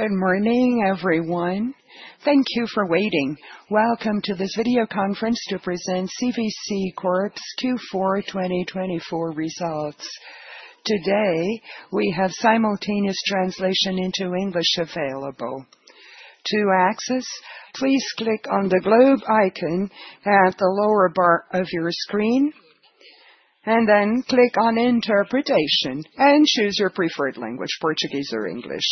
Good morning, everyone. Thank you for waiting. Welcome to this video conference to present CVC Corp's Q4 2024 results. Today, we have simultaneous translation into English available. To access, please click on the globe icon at the lower bar of your screen, and then click on Interpretation, and choose your preferred language: Portuguese or English.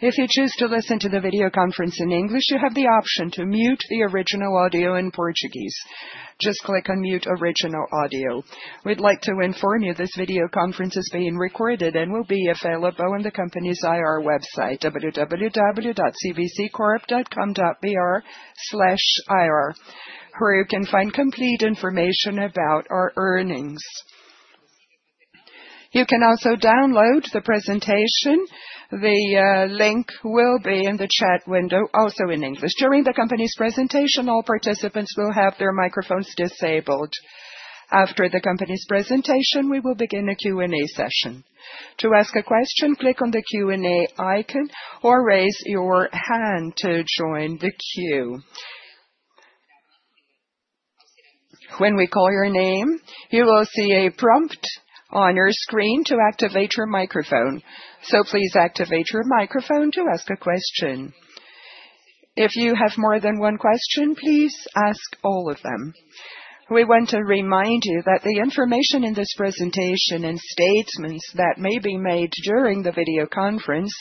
If you choose to listen to the video conference in English, you have the option to mute the original audio in Portuguese. Just click on Mute Original Audio. We'd like to inform you this video conference is being recorded and will be available on the company's IR website: www.cvccorp.com.br/ir, where you can find complete information about our earnings. You can also download the presentation. The link will be in the chat window, also in English. During the company's presentation, all participants will have their microphones disabled. After the company's presentation, we will begin a Q&A session. To ask a question, click on the Q&A icon or raise your hand to join the queue. When we call your name, you will see a prompt on your screen to activate your microphone. Please activate your microphone to ask a question. If you have more than one question, please ask all of them. We want to remind you that the information in this presentation and statements that may be made during the video conference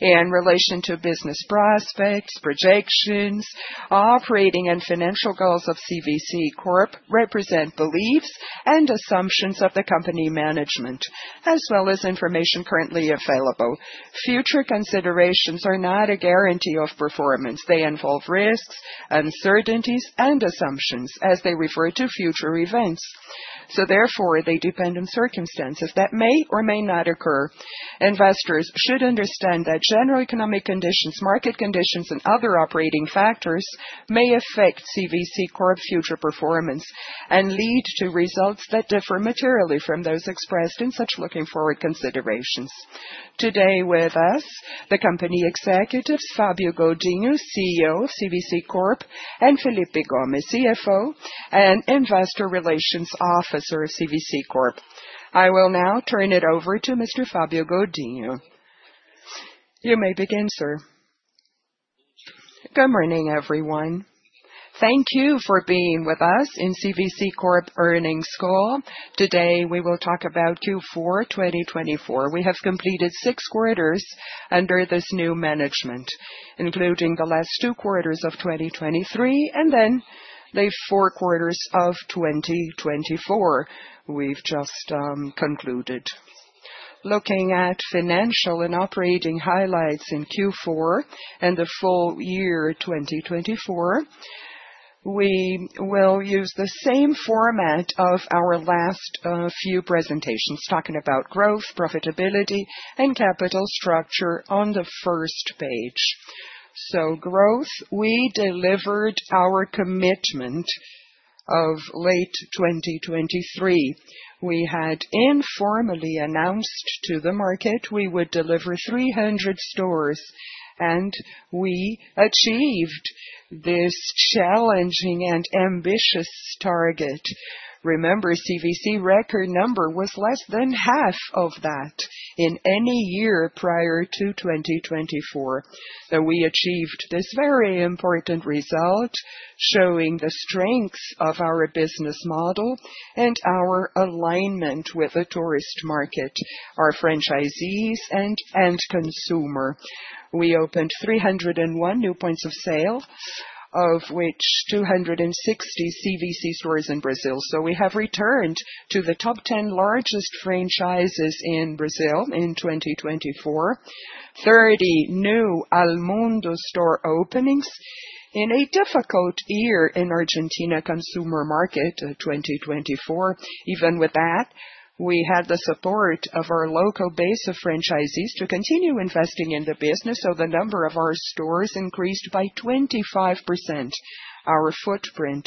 in relation to business prospects, projections, operating, and financial goals of CVC Corp represent beliefs and assumptions of the company management, as well as information currently available. Future considerations are not a guarantee of performance. They involve risks, uncertainties, and assumptions as they refer to future events. Therefore, they depend on circumstances that may or may not occur. Investors should understand that general economic conditions, market conditions, and other operating factors may affect CVC Corp's future performance and lead to results that differ materially from those expressed in such looking-forward considerations. Today with us, the company executives, Fabio Godinho, CEO of CVC Corp, and Felipe Gomes, CFO and Investor Relations Officer of CVC Corp. I will now turn it over to Mr. Fabio Godinho. You may begin, sir. Good morning, everyone. Thank you for being with us in CVC Corp Earnings Call. Today, we will talk about Q4 2024. We have completed six quarters under this new management, including the last two quarters of 2023 and then the four quarters of 2024 we've just concluded. Looking at financial and operating highlights in Q4 and the full year 2024, we will use the same format of our last few presentations talking about growth, profitability, and capital structure on the first page. Growth, we delivered our commitment of late 2023. We had informally announced to the market we would deliver 300 stores, and we achieved this challenging and ambitious target. Remember, CVC record number was less than half of that in any year prior to 2024. We achieved this very important result showing the strengths of our business model and our alignment with the tourist market, our franchisees, and end consumer. We opened 301 new points of sale, of which 260 CVC stores in Brazil. We have returned to the top 10 largest franchises in Brazil in 2024, 30 new Almundo store openings in a difficult year in Argentina consumer market 2024. Even with that, we had the support of our local base of franchisees to continue investing in the business. The number of our stores increased by 25%, our footprint,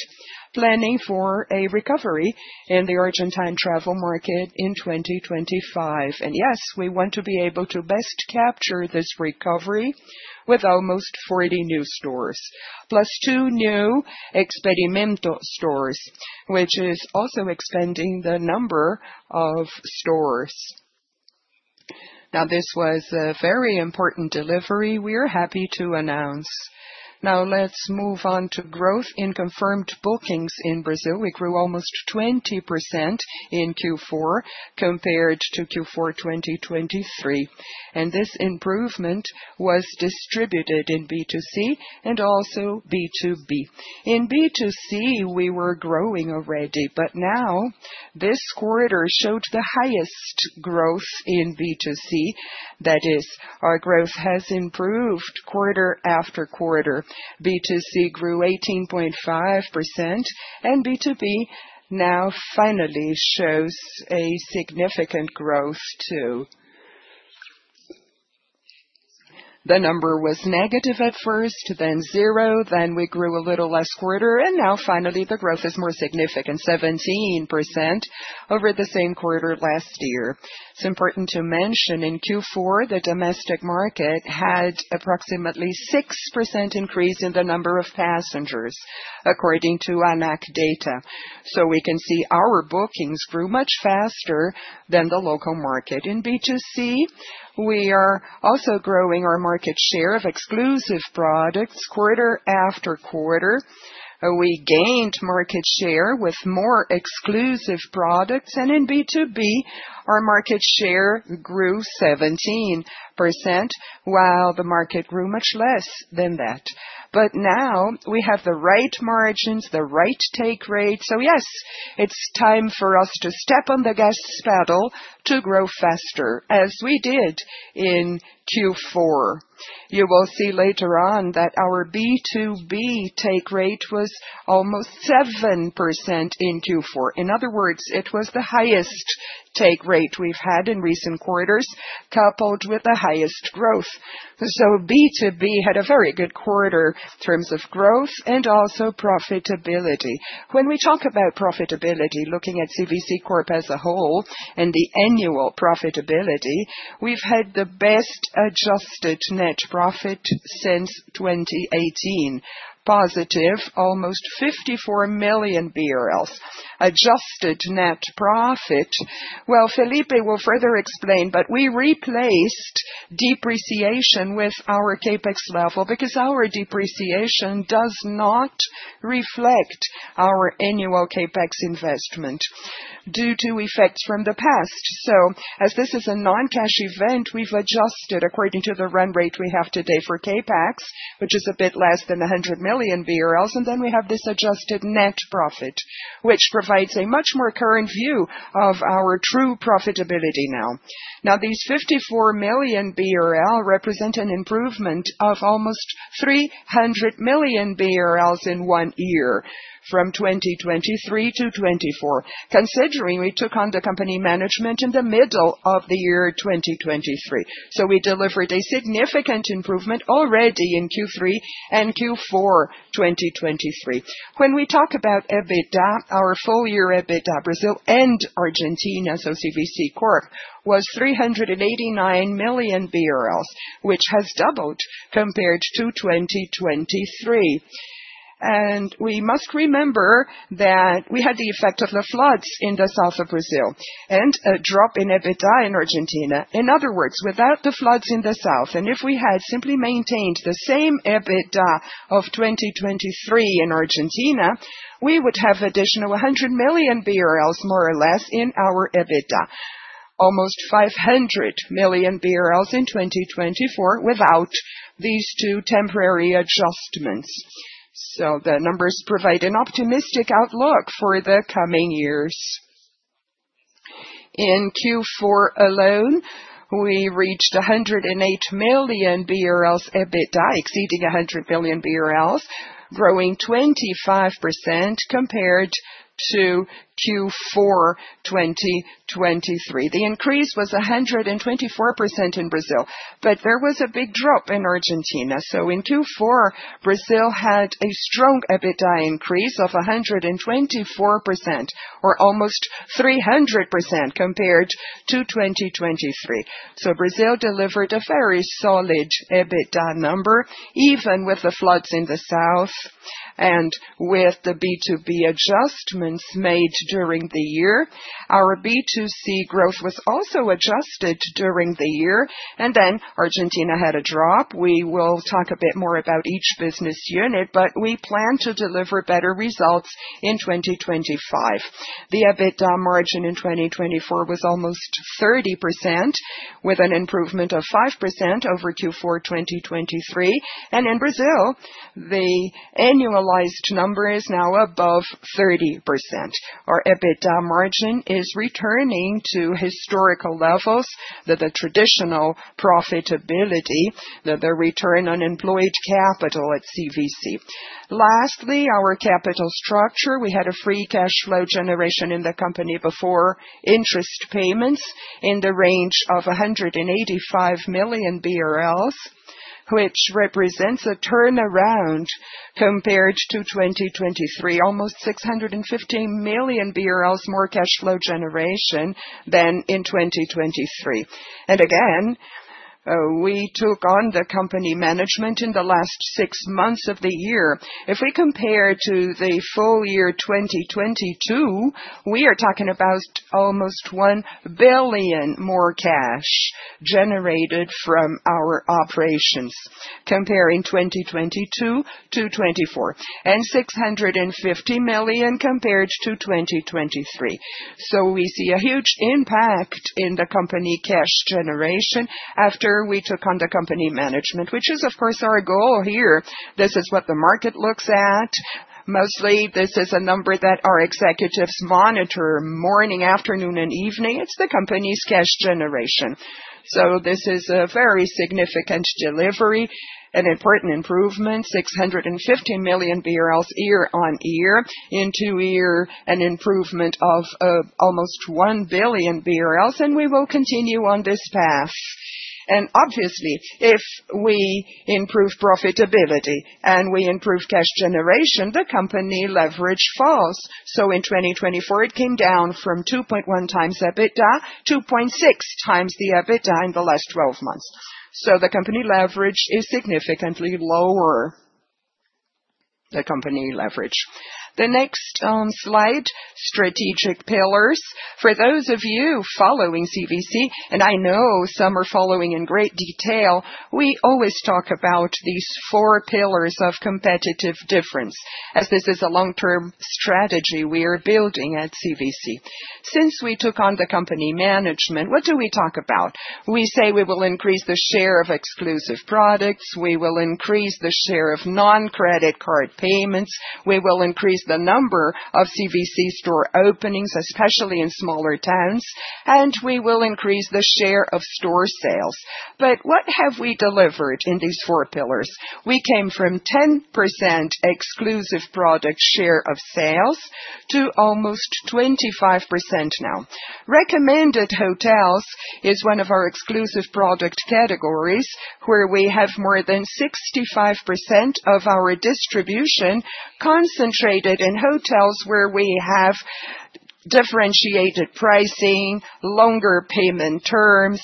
planning for a recovery in the Argentine travel market in 2025. Yes, we want to be able to best capture this recovery with almost 40 new stores, plus two new Experimento stores, which is also expanding the number of stores. This was a very important delivery we are happy to announce. Now let's move on to growth in confirmed bookings in Brazil. We grew almost 20% in Q4 compared to Q4 2023. This improvement was distributed in B2C and also B2B. In B2C, we were growing already, but now this quarter showed the highest growth in B2C. That is, our growth has improved quarter after quarter. B2C grew 18.5%, and B2B now finally shows a significant growth too. The number was negative at first, then zero, then we grew a little last quarter, and now finally the growth is more significant, 17% over the same quarter last year. It is important to mention in Q4, the domestic market had approximately 6% increase in the number of passengers, according to ANAC data. We can see our bookings grew much faster than the local market. In B2C, we are also growing our market share of exclusive products quarter after quarter. We gained market share with more exclusive products, and in B2B, our market share grew 17%, while the market grew much less than that. Now we have the right margins, the right take rate. Yes, it is time for us to step on the gas pedal to grow faster as we did in Q4. You will see later on that our B2B take rate was almost 7% in Q4. In other words, it was the highest take rate we've had in recent quarters, coupled with the highest growth. B2B had a very good quarter in terms of growth and also profitability. When we talk about profitability, looking at CVC Corp as a whole and the annual profitability, we've had the best adjusted net profit since 2018, positive, almost 54 million BRL. Adjusted net profit, Felipe will further explain, but we replaced depreciation with our CAPEX level because our depreciation does not reflect our annual CAPEX investment due to effects from the past. As this is a non-cash event, we've adjusted according to the run rate we have today for CAPEX, which is a bit less than 100 million BRL, and then we have this adjusted net profit, which provides a much more current view of our true profitability now. These 54 million BRL represent an improvement of almost 300 million BRL in one year from 2023 to 2024, considering we took on the company management in the middle of the year 2023. We delivered a significant improvement already in Q3 and Q4 2023. When we talk about EBITDA, our full year EBITDA, Brazil and Argentina, so CVC Corp, was 389 million BRL, which has doubled compared to 2023. We must remember that we had the effect of the floods in the south of Brazil and a drop in EBITDA in Argentina. In other words, without the floods in the south, and if we had simply maintained the same EBITDA of 2023 in Argentina, we would have additional 100 million BRL, more or less, in our EBITDA, almost 500 million BRL in 2024 without these two temporary adjustments. The numbers provide an optimistic outlook for the coming years. In Q4 alone, we reached 108 million BRL EBITDA, exceeding 100 million BRL, growing 25% compared to Q4 2023. The increase was 124% in Brazil, but there was a big drop in Argentina. In Q4, Brazil had a strong EBITDA increase of 124%, or almost 300% compared to 2023. Brazil delivered a very solid EBITDA number, even with the floods in the south and with the B2B adjustments made during the year. Our B2C growth was also adjusted during the year, and then Argentina had a drop. We will talk a bit more about each business unit, but we plan to deliver better results in 2025. The EBITDA margin in 2024 was almost 30%, with an improvement of 5% over Q4 2023. In Brazil, the annualized number is now above 30%. Our EBITDA margin is returning to historical levels, the traditional profitability, the return on employed capital at CVC. Lastly, our capital structure, we had a free cash flow generation in the company before interest payments in the range of 185 million BRL, which represents a turnaround compared to 2023, almost 615 million BRL more cash flow generation than in 2023. Again, we took on the company management in the last six months of the year. If we compare to the full year 2022, we are talking about almost 1 billion more cash generated from our operations, comparing 2022-2024, and 650 million compared to 2023. We see a huge impact in the company cash generation after we took on the company management, which is, of course, our goal here. This is what the market looks at. Mostly, this is a number that our executives monitor morning, afternoon, and evening. It's the company's cash generation. This is a very significant delivery, an important improvement, 650 million BRL year on year, into year an improvement of almost 1 billion BRL, and we will continue on this path. Obviously, if we improve profitability and we improve cash generation, the company leverage falls. In 2024, it came down from 2.1 times EBITDA to 2.6 times the EBITDA in the last 12 months. The company leverage is significantly lower, the company leverage. The next slide, strategic pillars. For those of you following CVC, and I know some are following in great detail, we always talk about these four pillars of competitive difference, as this is a long-term strategy we are building at CVC. Since we took on the company management, what do we talk about? We say we will increase the share of exclusive products, we will increase the share of non-credit card payments, we will increase the number of CVC store openings, especially in smaller towns, and we will increase the share of store sales. What have we delivered in these four pillars? We came from 10% exclusive product share of sales to almost 25% now. Recommended hotels is one of our exclusive product categories where we have more than 65% of our distribution concentrated in hotels where we have differentiated pricing, longer payment terms,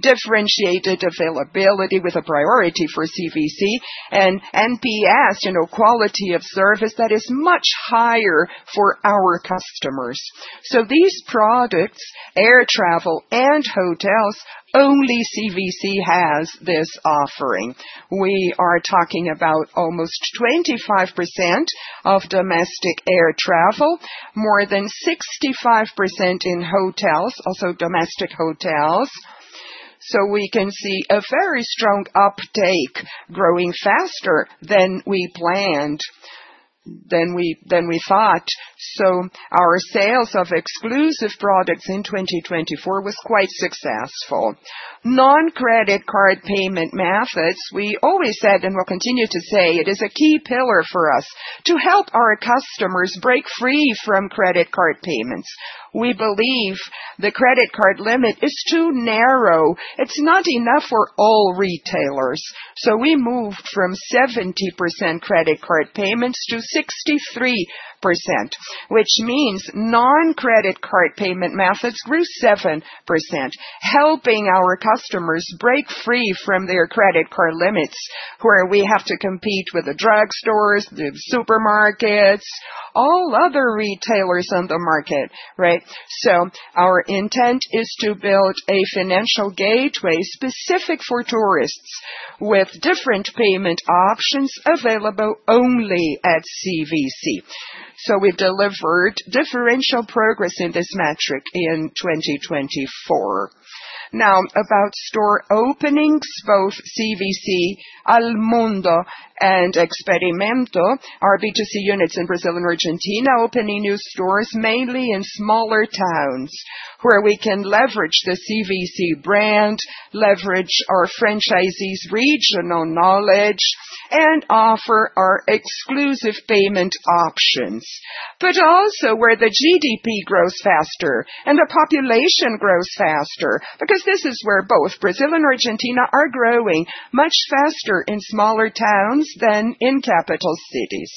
differentiated availability with a priority for CVC, and NPS, you know, quality of service that is much higher for our customers. These products, air travel and hotels, only CVC has this offering. We are talking about almost 25% of domestic air travel, more than 65% in hotels, also domestic hotels. We can see a very strong uptake, growing faster than we planned, than we thought. Our sales of exclusive products in 2024 was quite successful. Non-credit card payment methods, we always said and will continue to say, it is a key pillar for us to help our customers break free from credit card payments. We believe the credit card limit is too narrow. It's not enough for all retailers. We moved from 70% credit card payments to 63%, which means non-credit card payment methods grew 7%, helping our customers break free from their credit card limits, where we have to compete with the drugstores, the supermarkets, all other retailers on the market, right? Our intent is to build a financial gateway specific for tourists, with different payment options available only at CVC. We have delivered differential progress in this metric in 2024. Now, about store openings, both CVC, Al Mundo, and Experimento, our B2C units in Brazil and Argentina opening new stores mainly in smaller towns, where we can leverage the CVC brand, leverage our franchisees' regional knowledge, and offer our exclusive payment options, but also where the GDP grows faster and the population grows faster, because this is where both Brazil and Argentina are growing much faster in smaller towns than in capital cities.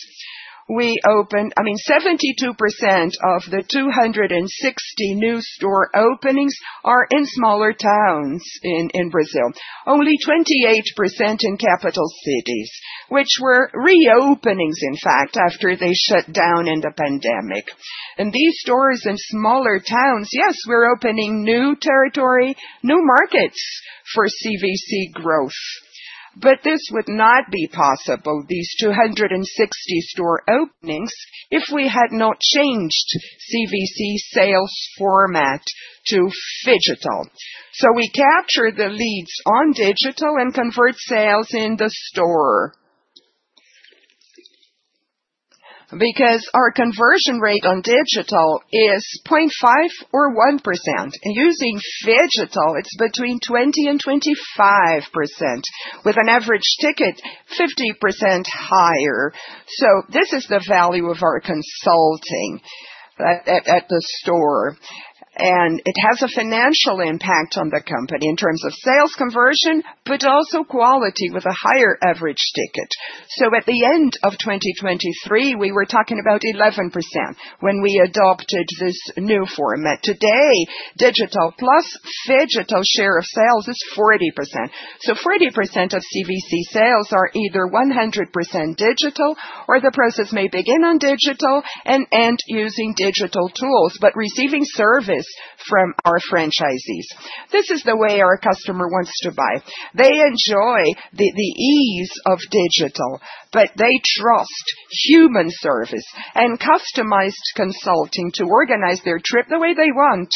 We opened, I mean, 72% of the 260 new store openings are in smaller towns in Brazil, only 28% in capital cities, which were reopening's, in fact, after they shut down in the pandemic. These stores in smaller towns, yes, we're opening new territory, new markets for CVC growth, but this would not be possible, these 260 store openings, if we had not changed CVC sales format to Phygital. We capture the leads on digital and convert sales in the store. Because our conversion rate on digital is 0.5% or 1%, and using Phygital, it is between 20-25%, with an average ticket 50% higher. This is the value of our consulting at the store, and it has a financial impact on the company in terms of sales conversion, but also quality with a higher average ticket. At the end of 2023, we were talking about 11% when we adopted this new format. Today, digital plus Phygital share of sales is 40%. 40% of CVC sales are either 100% digital, or the process may begin on digital and end using digital tools, but receiving service from our franchisees. This is the way our customer wants to buy. They enjoy the ease of digital, but they trust human service and customized consulting to organize their trip the way they want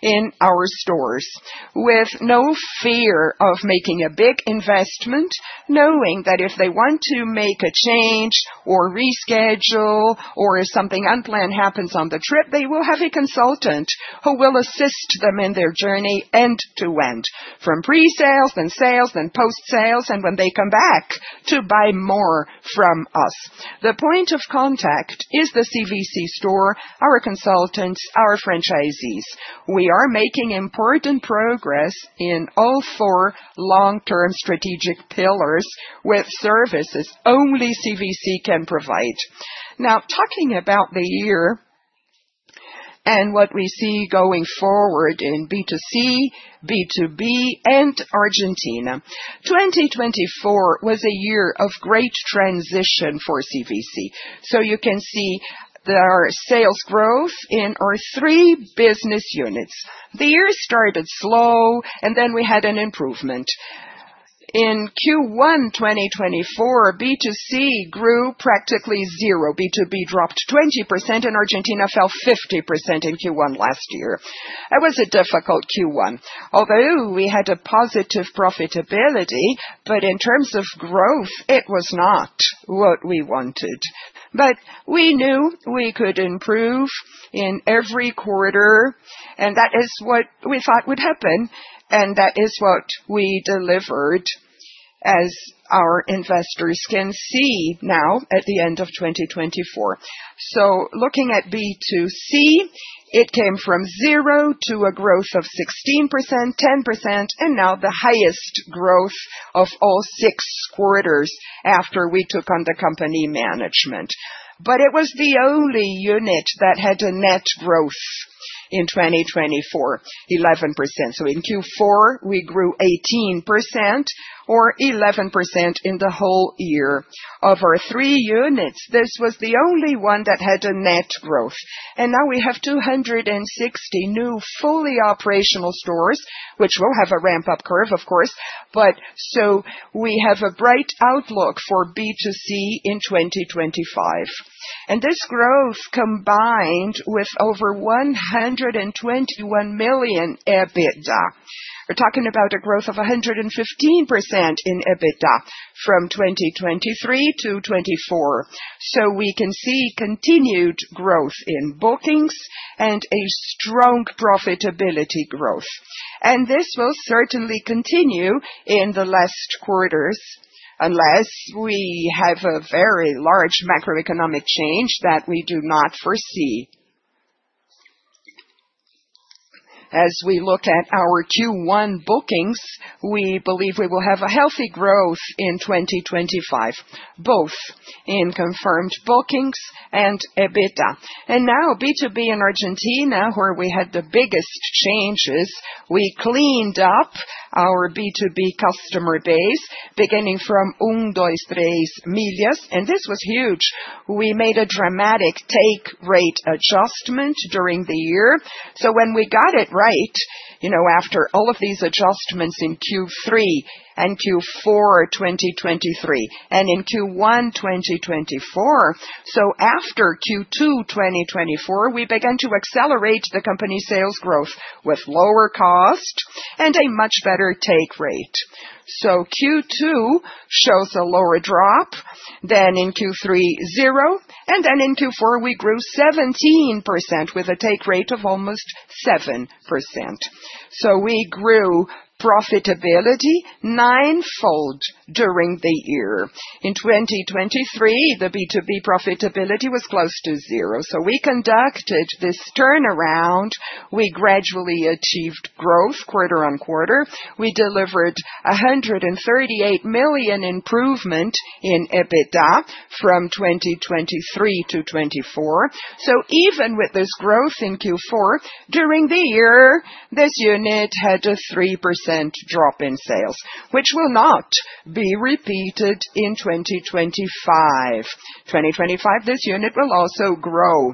in our stores, with no fear of making a big investment, knowing that if they want to make a change or reschedule or if something unplanned happens on the trip, they will have a consultant who will assist them in their journey end to end, from pre-sales, then sales, then post-sales, and when they come back to buy more from us. The point of contact is the CVC store, our consultants, our franchisees. We are making important progress in all four long-term strategic pillars with services only CVC can provide. Now, talking about the year and what we see going forward in B2C, B2B, and Argentina, 2024 was a year of great transition for CVC. You can see the sales growth in our three business units. The year started slow, and then we had an improvement. In Q1 2024, B2C grew practically zero. B2B dropped 20%, and Argentina fell 50% in Q1 last year. It was a difficult Q1. Although we had a positive profitability, in terms of growth, it was not what we wanted. We knew we could improve in every quarter, and that is what we thought would happen, and that is what we delivered, as our investors can see now at the end of 2024. Looking at B2C, it came from zero to a growth of 16%, 10%, and now the highest growth of all six quarters after we took on the company management. It was the only unit that had a net growth in 2024, 11%. In Q4, we grew 18% or 11% in the whole year. Of our three units, this was the only one that had a net growth. Now we have 260 new fully operational stores, which will have a ramp-up curve, of course. We have a bright outlook for B2C in 2025. This growth combined with over 121 million EBITDA. We are talking about a growth of 115% in EBITDA from 2023 to 2024. We can see continued growth in bookings and a strong profitability growth. This will certainly continue in the last quarters, unless we have a very large macroeconomic change that we do not foresee. As we look at our Q1 bookings, we believe we will have a healthy growth in 2025, both in confirmed bookings and EBITDA. Now B2B in Argentina, where we had the biggest changes, we cleaned up our B2B customer base, beginning from Três Milhas, and this was huge. We made a dramatic take rate adjustment during the year. When we got it right, you know, after all of these adjustments in Q3 and Q4 2023, and in Q1 2024, after Q2 2024, we began to accelerate the company sales growth with lower cost and a much better take rate. Q2 shows a lower drop than in Q3, zero, and then in Q4, we grew 17% with a take rate of almost 7%. We grew profitability nine-fold during the year. In 2023, the B2B profitability was close to zero. We conducted this turnaround. We gradually achieved growth quarter on quarter. We delivered 138 million improvement in EBITDA from 2023 to 2024. Even with this growth in Q4, during the year, this unit had a 3% drop in sales, which will not be repeated in 2025. 2025, this unit will also grow,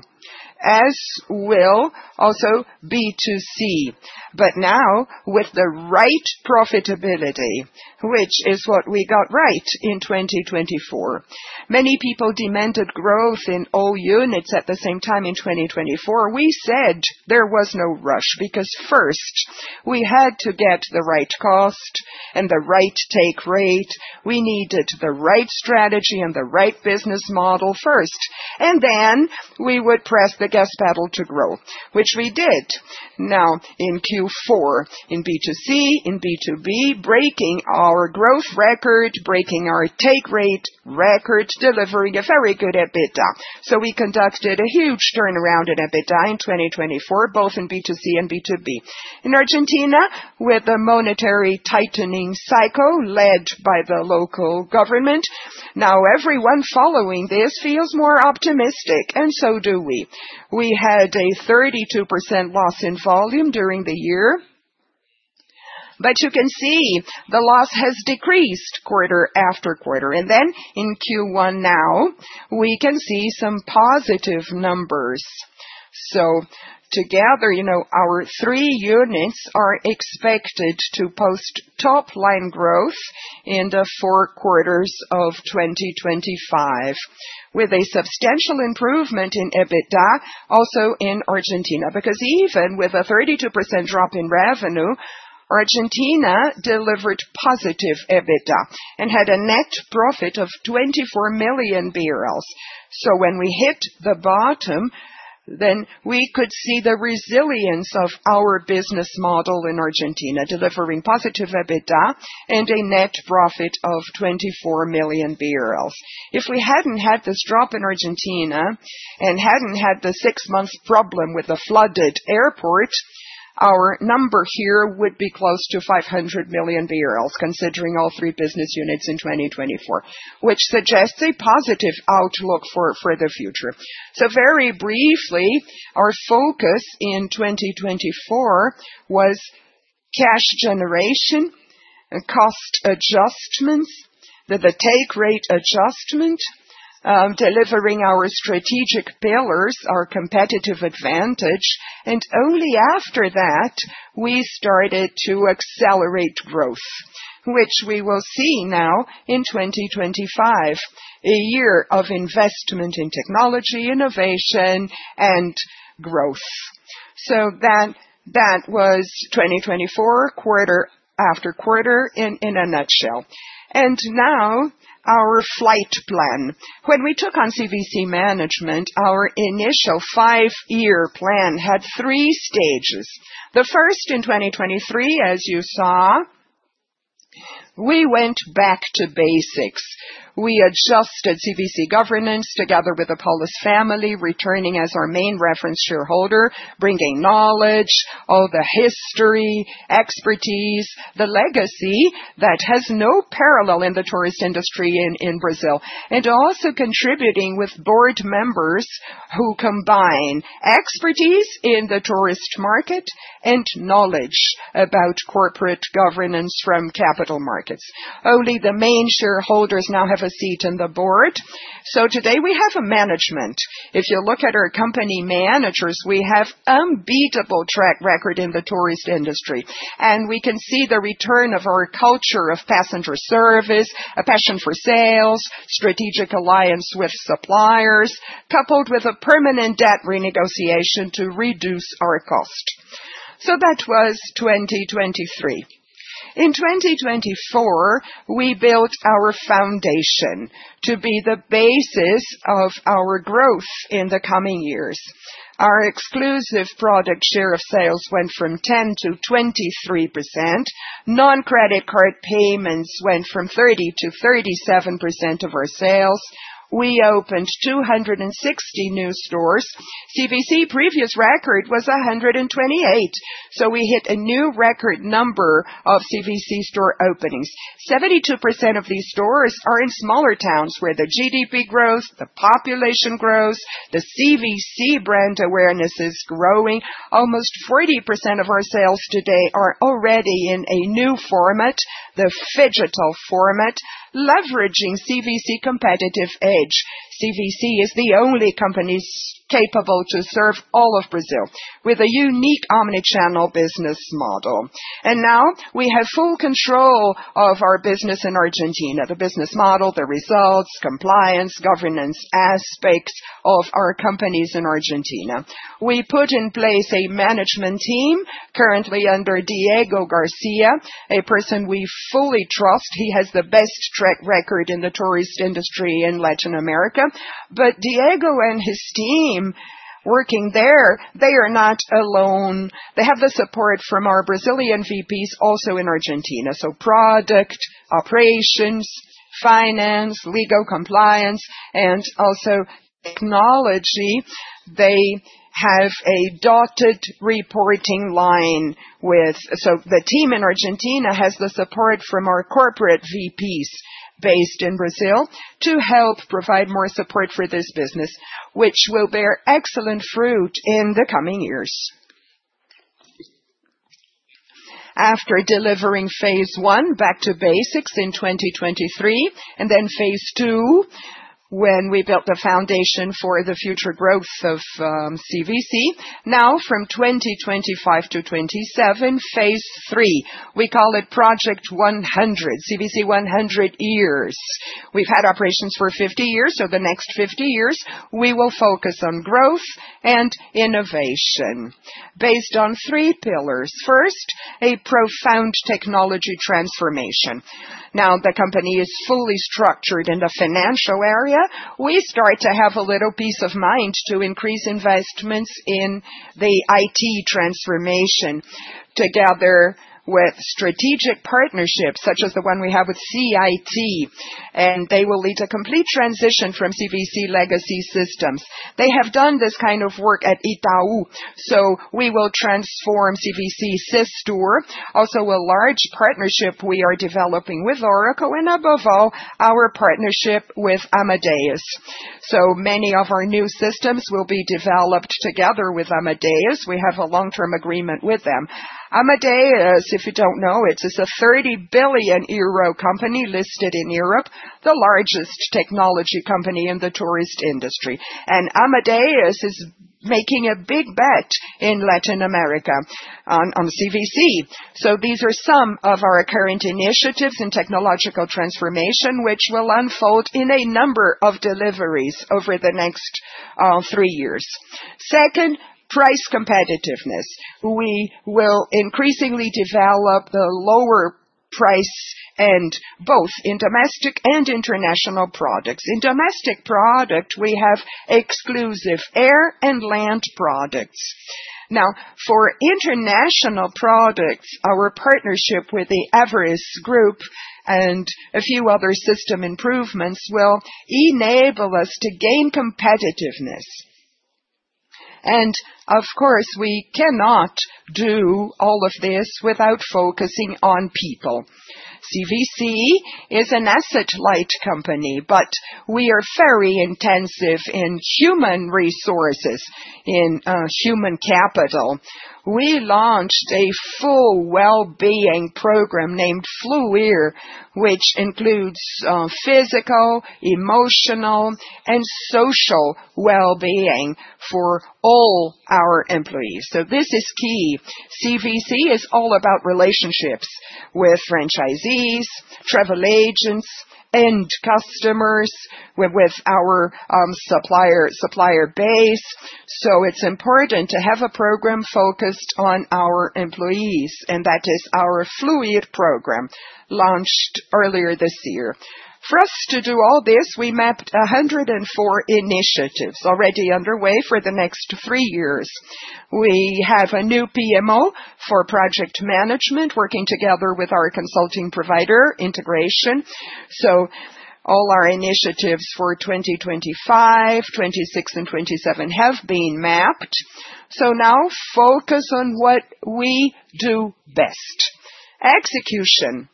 as will also B2C, but now with the right profitability, which is what we got right in 2024. Many people demanded growth in all units at the same time in 2024. We said there was no rush because first, we had to get the right cost and the right take rate. We needed the right strategy and the right business model first, and then we would press the gas pedal to grow, which we did. Now, in Q4, in B2C, in B2B, breaking our growth record, breaking our take rate record, delivering a very good EBITDA. We conducted a huge turnaround in EBITDA in 2024, both in B2C and B2B. In Argentina, with a monetary tightening cycle led by the local government, now everyone following this feels more optimistic, and so do we. We had a 32% loss in volume during the year, but you can see the loss has decreased quarter after quarter. In Q1 now, we can see some positive numbers. Together, you know, our three units are expected to post top-line growth in the four quarters of 2025, with a substantial improvement in EBITDA also in Argentina, because even with a 32% drop in revenue, Argentina delivered positive EBITDA and had a net profit of 24 million. When we hit the bottom, then we could see the resilience of our business model in Argentina, delivering positive EBITDA and a net profit of 24 million. If we hadn't had this drop in Argentina and hadn't had the six-month problem with the flooded airport, our number here would be close to 500 million, considering all three business units in 2024, which suggests a positive outlook for the future. Very briefly, our focus in 2024 was cash generation, cost adjustments, the take rate adjustment, delivering our strategic pillars, our competitive advantage, and only after that we started to accelerate growth, which we will see now in 2025, a year of investment in technology, innovation, and growth. That was 2024, quarter after quarter in a nutshell. Now our flight plan. When we took on CVC management, our initial five-year plan had three stages. The first in 2023, as you saw, we went back to basics. We adjusted CVC governance together with the Polis family, returning as our main reference shareholder, bringing knowledge, all the history, expertise, the legacy that has no parallel in the tourist industry in Brazil, and also contributing with board members who combine expertise in the tourist market and knowledge about corporate governance from capital markets. Only the main shareholders now have a seat in the board. Today we have a management. If you look at our company managers, we have unbeatable track record in the tourist industry, and we can see the return of our culture of passenger service, a passion for sales, strategic alliance with suppliers, coupled with a permanent debt renegotiation to reduce our cost. That was 2023. In 2024, we built our foundation to be the basis of our growth in the coming years. Our exclusive product share of sales went from 10%-23%. Non-credit card payments went from 30%-37% of our sales. We opened 260 new stores. CVC previous record was 128. We hit a new record number of CVC store openings. 72% of these stores are in smaller towns where the GDP grows, the population grows, the CVC brand awareness is growing. Almost 40% of our sales today are already in a new format, the Phygital format, leveraging CVC competitive edge. CVC is the only company capable to serve all of Brazil with a unique omnichannel business model. Now we have full control of our business in Argentina, the business model, the results, compliance, governance aspects of our companies in Argentina. We put in place a management team currently under Diego Garcia, a person we fully trust. He has the best track record in the tourist industry in Latin America. Diego and his team working there, they are not alone. They have the support from our Brazilian VPs also in Argentina. Product, operations, finance, legal compliance, and also technology. They have a dotted reporting line with. The team in Argentina has the support from our corporate VPs based in Brazil to help provide more support for this business, which will bear excellent fruit in the coming years. After delivering phase one back to basics in 2023, and then phase two when we built the foundation for the future growth of CVC. Now from 2025-2027, phase three. We call it project 100, CVC 100 years. We've had operations for 50 years. The next 50 years, we will focus on growth and innovation based on three pillars. First, a profound technology transformation. Now the company is fully structured in the financial area. We start to have a little peace of mind to increase investments in the IT transformation together with strategic partnerships such as the one we have with CIT, and they will lead to complete transition from CVC legacy systems. They have done this kind of work at Itaú. We will transform CVC Cisdur, also a large partnership we are developing with Oracle and above all, our partnership with Amadeus. Many of our new systems will be developed together with Amadeus. We have a long-term agreement with them. Amadeus, if you do not know, is a 30 billion euro company listed in Europe, the largest technology company in the tourist industry. Amadeus is making a big bet in Latin America on CVC. These are some of our current initiatives in technological transformation, which will unfold in a number of deliveries over the next three years. Second, price competitiveness. We will increasingly develop the lower price and both in domestic and international products. In domestic product, we have exclusive air and land products. Now, for international products, our partnership with the Everest Group and a few other system improvements will enable us to gain competitiveness. Of course, we cannot do all of this without focusing on people. CVC is an asset-light company, but we are very intensive in human resources, in human capital. We launched a full well-being program named Fluir, which includes physical, emotional, and social well-being for all our employees. This is key. CVC is all about relationships with franchisees, travel agents, and customers with our supplier base. It is important to have a program focused on our employees, and that is our Fluir program launched earlier this year. For us to do all this, we mapped 104 initiatives already underway for the next three years. We have a new PMO for project management working together with our consulting provider integration. All our initiatives for 2025, 2026, and 2027 have been mapped. Now focus on what we do best. Execution.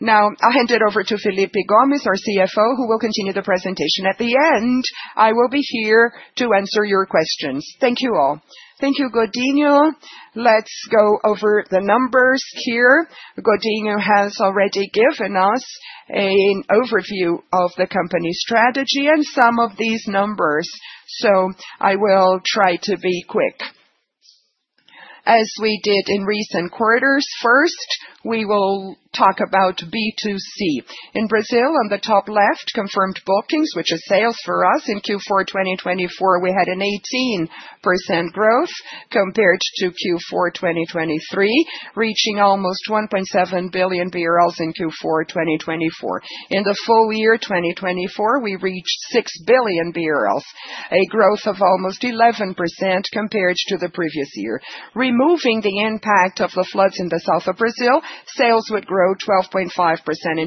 Now I'll hand it over to Felipe Gomes, our CFO, who will continue the presentation. At the end, I will be here to answer your questions. Thank you all. Thank you, Godinho. Let's go over the numbers here. Godinho has already given us an overview of the company strategy and some of these numbers. I will try to be quick. As we did in recent quarters, first, we will talk about B2C. In Brazil, on the top left, confirmed bookings, which is sales for us. In Q4 2024, we had an 18% growth compared to Q4 2023, reaching almost 1.7 billion in Q4 2024. In the full year 2024, we reached 6 billion, a growth of almost 11% compared to the previous year. Removing the impact of the floods in the south of Brazil, sales would grow 12.5% in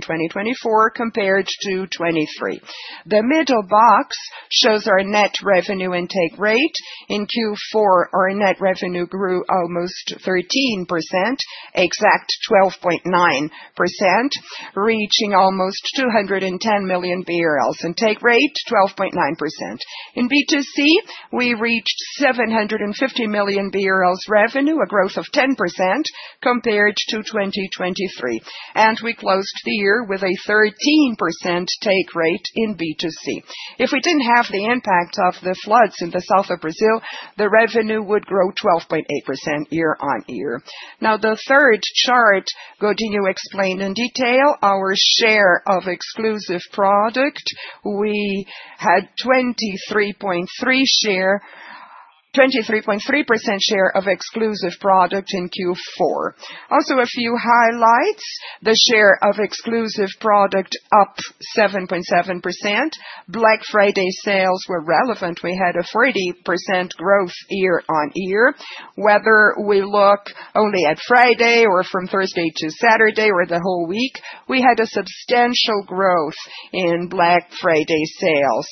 2024 compared to 2023. The middle box shows our net revenue and take rate. In Q4, our net revenue grew almost 13%, exact 12.9%, reaching almost 210 million and take rate 12.9%. In B2C, we reached 750 million revenue, a growth of 10% compared to 2023. We closed the year with a 13% take rate in B2C. If we did not have the impact of the floods in the south of Brazil, the revenue would grow 12.8% year on year. Now, the third chart, Godinho explained in detail our share of exclusive product. We had 23.3% share of exclusive product in Q4. Also, a few highlights. The share of exclusive product up 7.7%. Black Friday sales were relevant. We had a 40% growth year on year. Whether we look only at Friday or from Thursday to Saturday or the whole week, we had a substantial growth in Black Friday sales.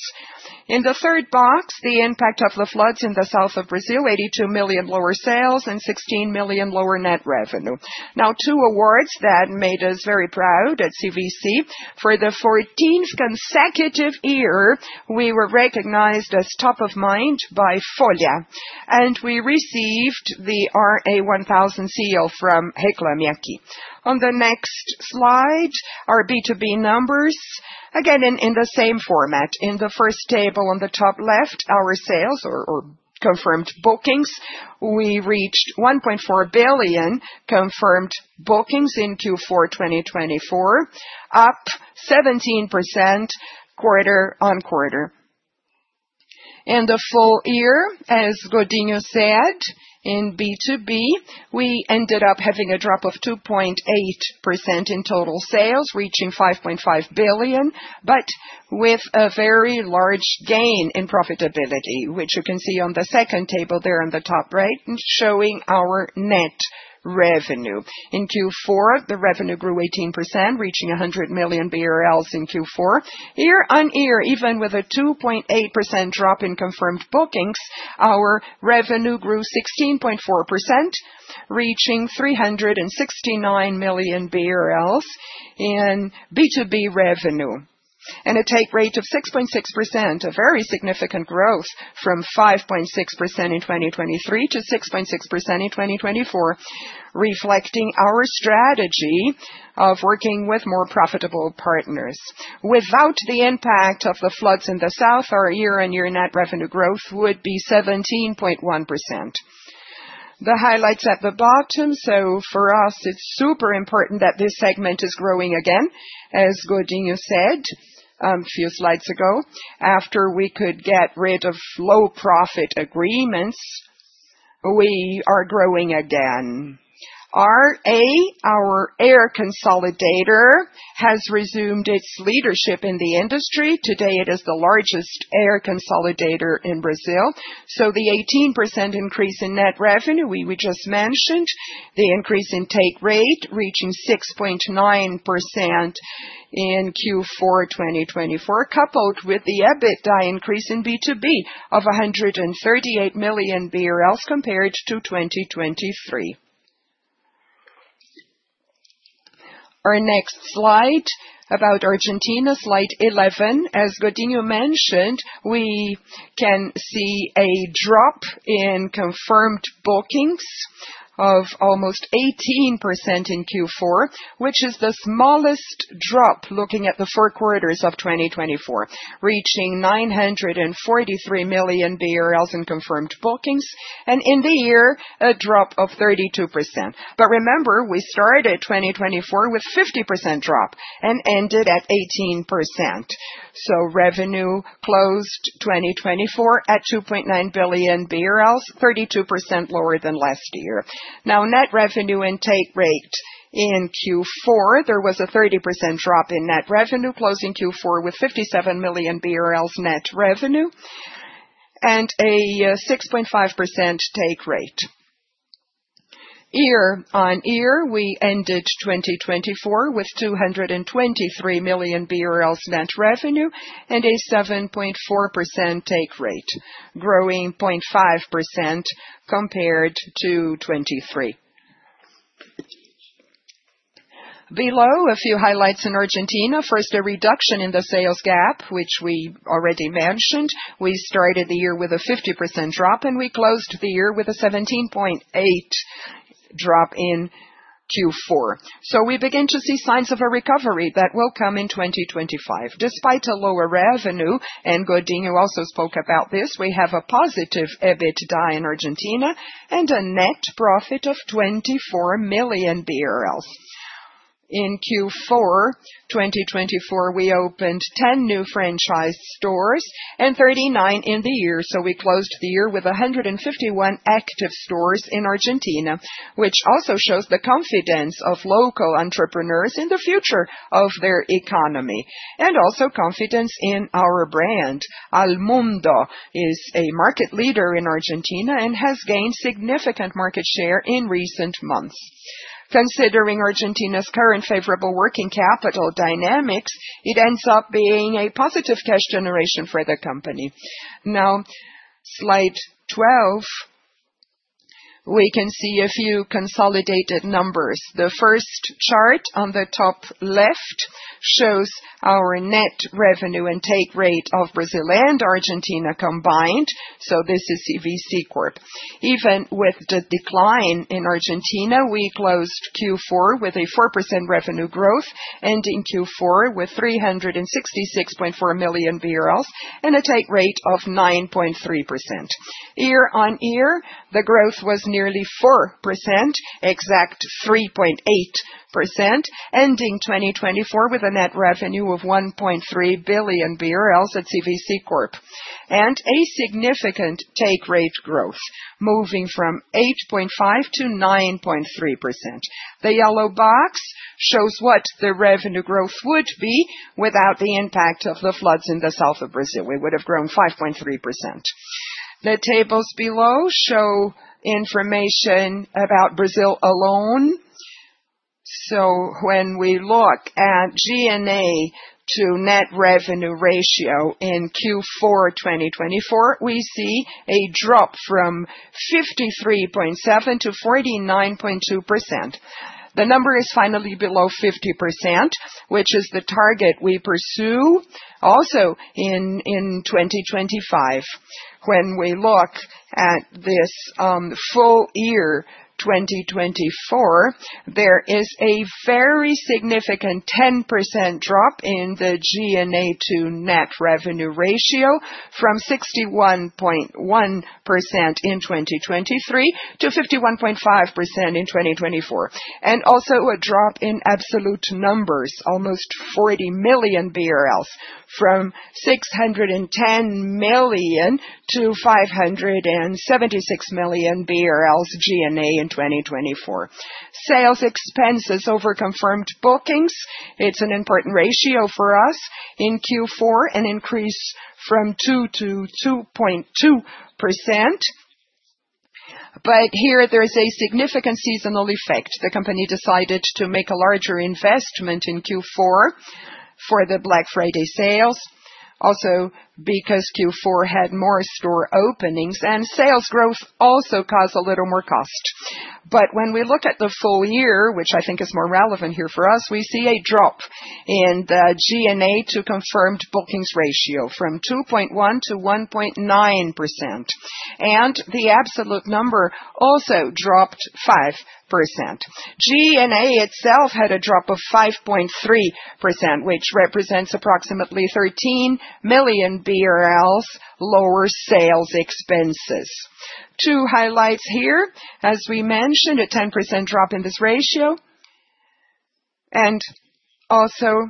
In the third box, the impact of the floods in the south of Brazil, 82 million lower sales and 16 million lower net revenue. Now, two awards that made us very proud at CVC. For the 14th consecutive year, we were recognized as top of mind by Folha, and we received the RA1000 CEO from Hekla Mieke. On the next slide, our B2B numbers, again in the same format. In the first table on the top left, our sales or confirmed bookings, we reached 1.4 billion confirmed bookings in Q4 2024, up 17% quarter on quarter. In the full year, as Godinho said, in B2B, we ended up having a drop of 2.8% in total sales, reaching 5.5 billion, but with a very large gain in profitability, which you can see on the second table there on the top right, showing our net revenue. In Q4, the revenue grew 18%, reaching 100 million BRL in Q4. Year on year, even with a 2.8% drop in confirmed bookings, our revenue grew 16.4%, reaching 369 million BRL in B2B revenue. A take rate of 6.6%, a very significant growth from 5.6% in 2023 to 6.6% in 2024, reflecting our strategy of working with more profitable partners. Without the impact of the floods in the south, our year-on-year net revenue growth would be 17.1%. The highlights at the bottom. For us, it's super important that this segment is growing again, as Godinho said a few slides ago. After we could get rid of low-profit agreements, we are growing again. RA, our air consolidator, has resumed its leadership in the industry. Today, it is the largest air consolidator in Brazil. The 18% increase in net revenue we just mentioned, the increase in take rate reaching 6.9% in Q4 2024, coupled with the EBITDA increase in B2B of 138 million BRL compared to 2023. Our next slide about Argentina, slide 11. As Godinho mentioned, we can see a drop in confirmed bookings of almost 18% in Q4, which is the smallest drop looking at the four quarters of 2024, reaching 943 million BRL in confirmed bookings, and in the year, a drop of 32%. Remember, we started 2024 with a 50% drop and ended at 18%. Revenue closed 2024 at 2.9 billion BRL, 32% lower than last year. Now, net revenue and take rate in Q4, there was a 30% drop in net revenue, closing Q4 with 57 million BRL net revenue and a 6.5% take rate. Year on year, we ended 2024 with 223 million BRL net revenue and a 7.4% take rate, growing 0.5% compared to 2023. Below, a few highlights in Argentina. First, a reduction in the sales gap, which we already mentioned. We started the year with a 50% drop, and we closed the year with a 17.8% drop in Q4. We begin to see signs of a recovery that will come in 2025. Despite a lower revenue, and Godinho also spoke about this, we have a positive EBITDA in Argentina and a net profit of 24 million BRL. In Q4 2024, we opened 10 new franchise stores and 39 in the year. We closed the year with 151 active stores in Argentina, which also shows the confidence of local entrepreneurs in the future of their economy and also confidence in our brand. Almundo is a market leader in Argentina and has gained significant market share in recent months. Considering Argentina's current favorable working capital dynamics, it ends up being a positive cash generation for the company. Now, slide 12, we can see a few consolidated numbers. The first chart on the top left shows our net revenue and take rate of Brazil and Argentina combined. This is CVC. Even with the decline in Argentina, we closed Q4 with 4% revenue growth, ending Q4 with 366.4 million and a take rate of 9.3%. Year on year, the growth was nearly 4%, exact 3.8%, ending 2024 with a net revenue of 1.3 billion BRL at CVC and a significant take rate growth, moving from 8.5% to 9.3%. The yellow box shows what the revenue growth would be without the impact of the floods in the south of Brazil. We would have grown 5.3%. The tables below show information about Brazil alone. When we look at G&A to net revenue ratio in Q4 2024, we see a drop from 53.7%-49.2%. The number is finally below 50%, which is the target we pursue also in 2025. When we look at this full year 2024, there is a very significant 10% drop in the G&A to net revenue ratio from 61.1% in 2023 to 51.5% in 2024, and also a drop in absolute numbers, almost 40 million BRL, from 610 million to 576 million BRL G&A in 2024. Sales expenses over confirmed bookings. It's an important ratio for us in Q4, an increase from 2%-2.2%. Here, there's a significant seasonal effect. The company decided to make a larger investment in Q4 for the Black Friday sales, also because Q4 had more store openings, and sales growth also caused a little more cost. When we look at the full year, which I think is more relevant here for us, we see a drop in the G&A to confirmed bookings ratio from 2.1%-1.9%, and the absolute number also dropped 5%. G&A itself had a drop of 5.3%, which represents approximately 13 million BRL lower sales expenses. Two highlights here, as we mentioned, a 10% drop in this ratio, and also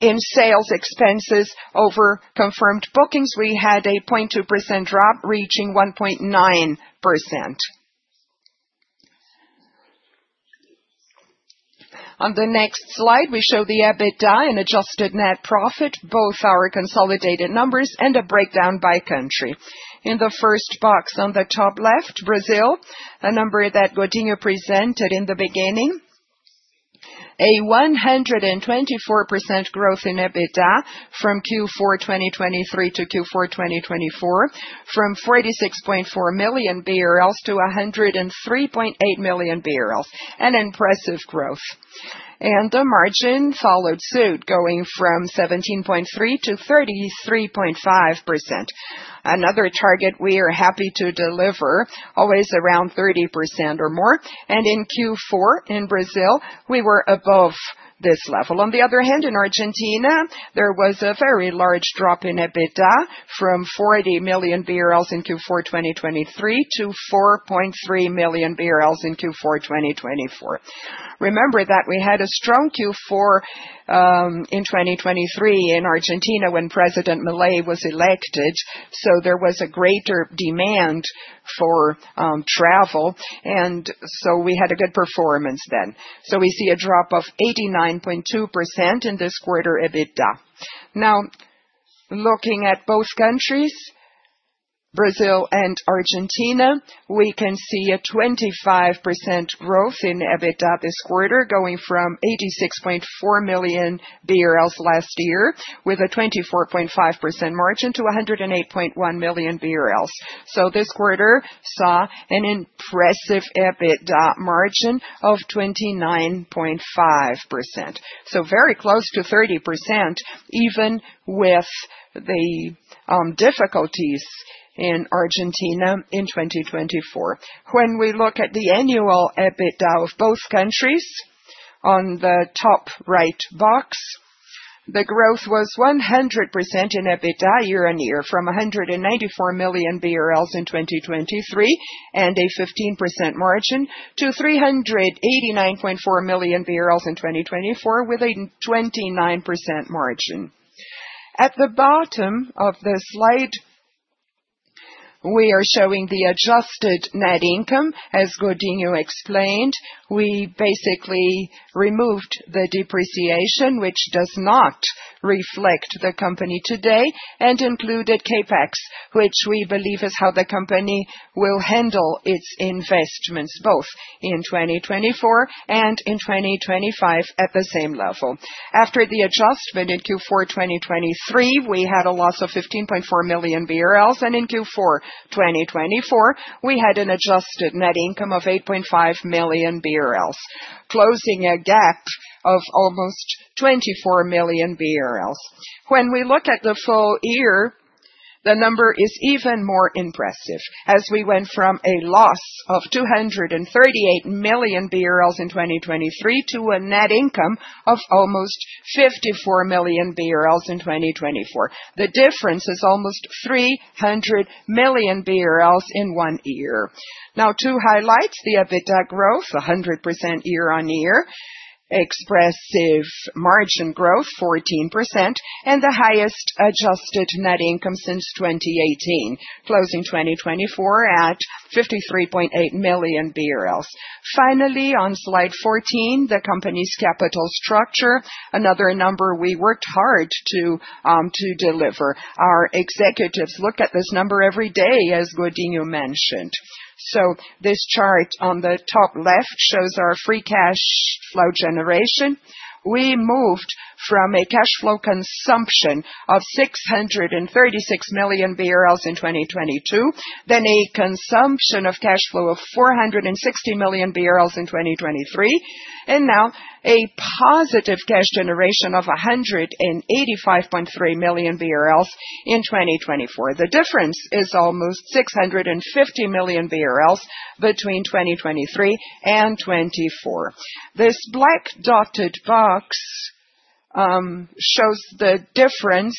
in sales expenses over confirmed bookings, we had a 0.2% drop reaching 1.9%. On the next slide, we show the EBITDA and adjusted net profit, both our consolidated numbers and a breakdown by country. In the first box on the top left, Brazil, a number that Godinho presented in the beginning, a 124% growth in EBITDA from Q4 2023 to Q4 2024, from 46.4 million BRL to 103.8 million BRL, an impressive growth. The margin followed suit, going from 17.3%-33.5%, another target we are happy to deliver, always around 30% or more. In Q4 in Brazil, we were above this level. On the other hand, in Argentina, there was a very large drop in EBITDA from 40 million BRL in Q4 2023 to 4.3 million BRL in Q4 2024. Remember that we had a strong Q4 in 2023 in Argentina when President Milei was elected, so there was a greater demand for travel, and we had a good performance then. We see a drop of 89.2% in this quarter EBITDA. Now, looking at both countries, Brazil and Argentina, we can see a 25% growth in EBITDA this quarter, going from 86.4 million BRL last year with a 24.5% margin to 108.1 million BRL. This quarter saw an impressive EBITDA margin of 29.5%, very close to 30%, even with the difficulties in Argentina in 2024. When we look at the annual EBITDA of both countries, on the top right box, the growth was 100% in EBITDA year on year, from 194 million BRL in 2023 and a 15% margin to 389.4 million BRL in 2024 with a 29% margin. At the bottom of the slide, we are showing the adjusted net income. As Godinho explained, we basically removed the depreciation, which does not reflect the company today, and included CAPEX, which we believe is how the company will handle its investments, both in 2024 and in 2025 at the same level. After the adjustment in Q4 2023, we had a loss of 15.4 million BRL, and in Q4 2024, we had an adjusted net income of 8.5 million BRL, closing a gap of almost 24 million BRL. When we look at the full year, the number is even more impressive, as we went from a loss of 238 million in 2023 to a net income of almost 54 million in 2024. The difference is almost 300 million in one year. Now, two highlights: the EBITDA growth, 100% year on year, expressive margin growth, 14%, and the highest adjusted net income since 2018, closing 2024 at 53.8 million BRL. Finally, on slide 14, the company's capital structure, another number we worked hard to deliver. Our executives look at this number every day, as Godinho mentioned. This chart on the top left shows our free cash flow generation. We moved from a cash flow consumption of 636 million BRL in 2022, then a consumption of cash flow of 460 million BRL in 2023, and now a positive cash generation of 185.3 million BRL in 2024. The difference is almost 650 million BRL between 2023 and 2024. This black dotted box shows the difference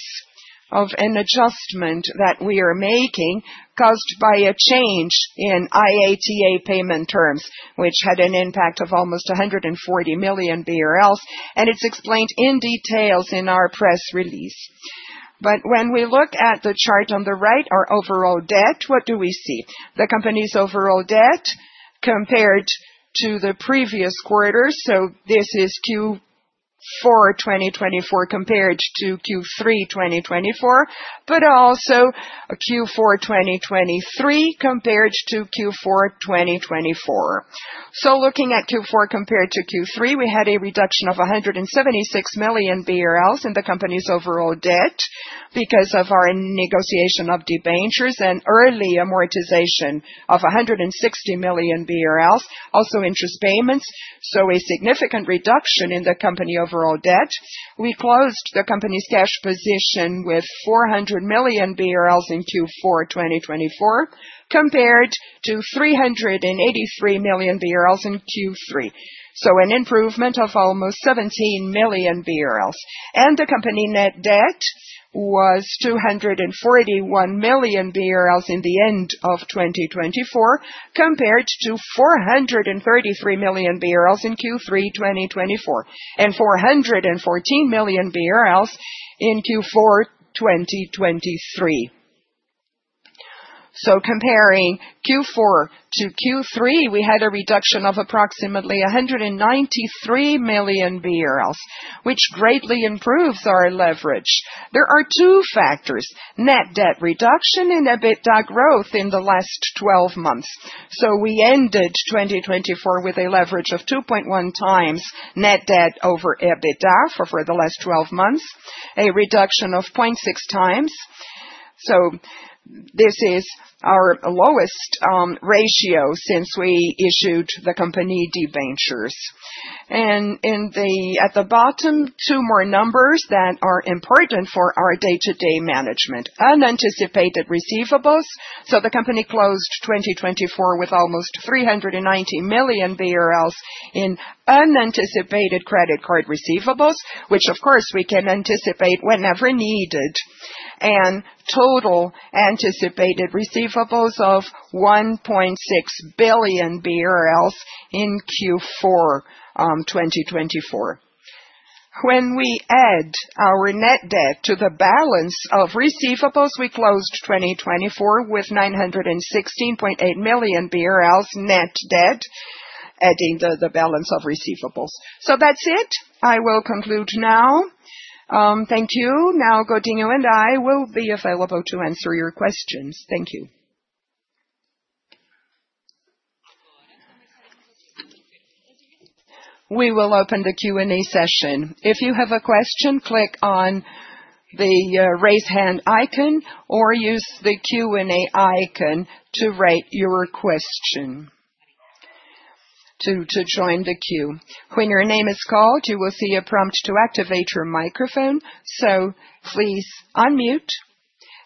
of an adjustment that we are making caused by a change in IATA payment terms, which had an impact of almost 140 million BRL, and it is explained in detail in our press release. When we look at the chart on the right, our overall debt, what do we see? The company's overall debt compared to the previous quarter. This is Q4 2024 compared to Q3 2024, but also Q4 2023 compared to Q4 2024. Looking at Q4 compared to Q3, we had a reduction of 176 million BRL in the company's overall debt because of our negotiation of debentures and early amortization of 160 million BRL, also interest payments, so a significant reduction in the company overall debt. We closed the company's cash position with 400 million in Q4 2024 compared to 383 million in Q3, so an improvement of almost 17 million. The company net debt was 241 million at the end of 2024 compared to 433 million in Q3 2024 and 414 million BRL in Q4 2023. Comparing Q4 to Q3, we had a reduction of approximately 193 million, which greatly improves our leverage. There are two factors: net debt reduction and EBITDA growth in the last 12 months. We ended 2024 with a leverage of 2.1 times net debt over EBITDA for the last 12 months, a reduction of 0.6 times. This is our lowest ratio since we issued the company debentures. At the bottom, two more numbers that are important for our day-to-day management: unanticipated receivables. The company closed 2024 with almost 390 million BRL in unanticipated credit card receivables, which, of course, we can anticipate whenever needed, and total anticipated receivables of 1.6 billion BRL in Q4 2024. When we add our net debt to the balance of receivables, we closed 2024 with 916.8 million BRL net debt, adding the balance of receivables. That's it. I will conclude now. Thank you. Now, Godinho and I will be available to answer your questions. Thank you. We will open the Q&A session. If you have a question, click on the raise hand icon or use the Q&A icon to rate your question, to join the queue. When your name is called, you will see a prompt to activate your microphone, so please unmute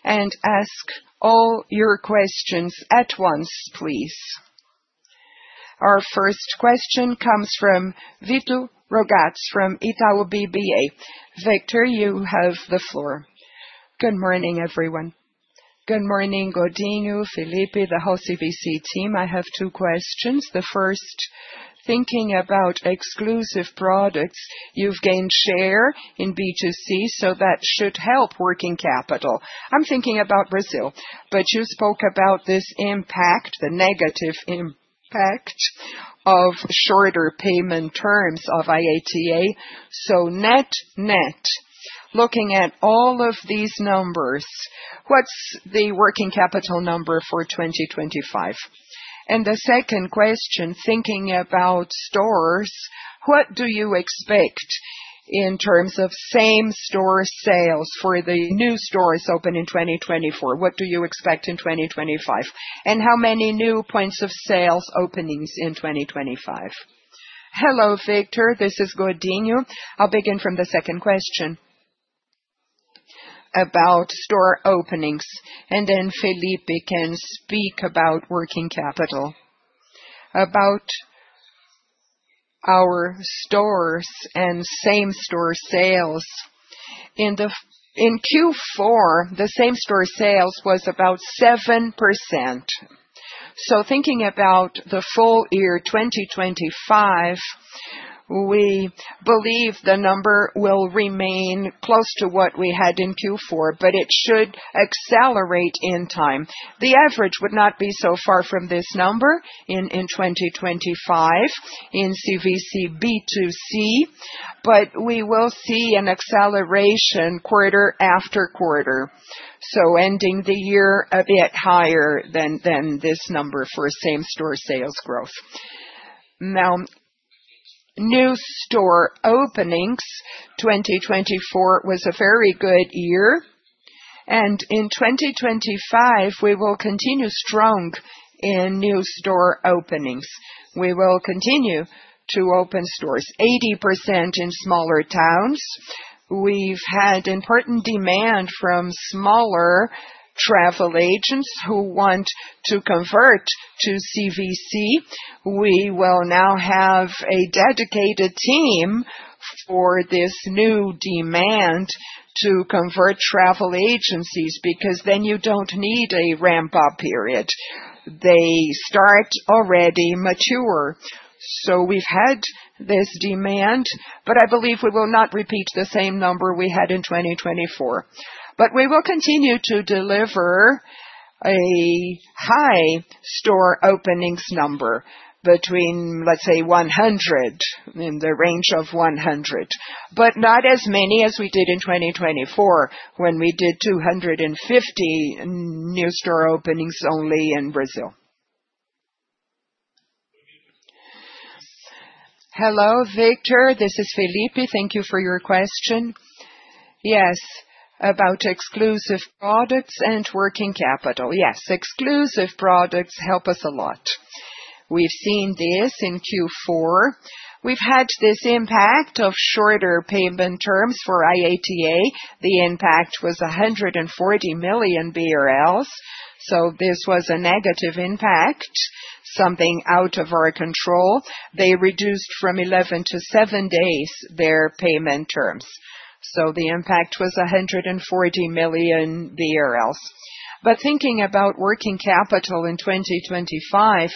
and ask all your questions at once, please. Our first question comes from Vitor Rogatis from Itaú. Victor, you have the floor. Good morning, everyone. Good morning, Godinho, Felipe, the whole CVC team. I have two questions. The first, thinking about exclusive products, you've gained share in B2C, so that should help working capital. I'm thinking about Brazil, but you spoke about this impact, the negative impact of shorter payment terms of IATA. Net, net, looking at all of these numbers, what's the working capital number for 2025? The second question, thinking about stores, what do you expect in terms of same store sales for the new stores open in 2024? What do you expect in 2025? How many new points of sales openings in 2025? Hello, Victor, this is Godinho. I'll begin from the second question about store openings, and then Felipe can speak about working capital. About our stores and same store sales, in Q4, the same store sales was about 7%. Thinking about the full year 2025, we believe the number will remain close to what we had in Q4, but it should accelerate in time. The average would not be so far from this number in 2025 in CVC B2C, but we will see an acceleration quarter after quarter. Ending the year a bit higher than this number for same store sales growth. Now, new store openings, 2024 was a very good year, and in 2025, we will continue strong in new store openings. We will continue to open stores, 80% in smaller towns. We've had important demand from smaller travel agents who want to convert to CVC. We will now have a dedicated team for this new demand to convert travel agencies because then you don't need a ramp-up period. They start already mature. We've had this demand, but I believe we will not repeat the same number we had in 2024. We will continue to deliver a high store openings number between, let's say, 100, in the range of 100, but not as many as we did in 2024 when we did 250 new store openings only in Brazil. Hello, Victor, this is Felipe. Thank you for your question. Yes, about exclusive products and working capital. Yes, exclusive products help us a lot. We've seen this in Q4. We've had this impact of shorter payment terms for IATA. The impact was 140 million BRL, so this was a negative impact, something out of our control. They reduced from 11 to 7 days their payment terms. The impact was 140 million. Thinking about working capital in 2025,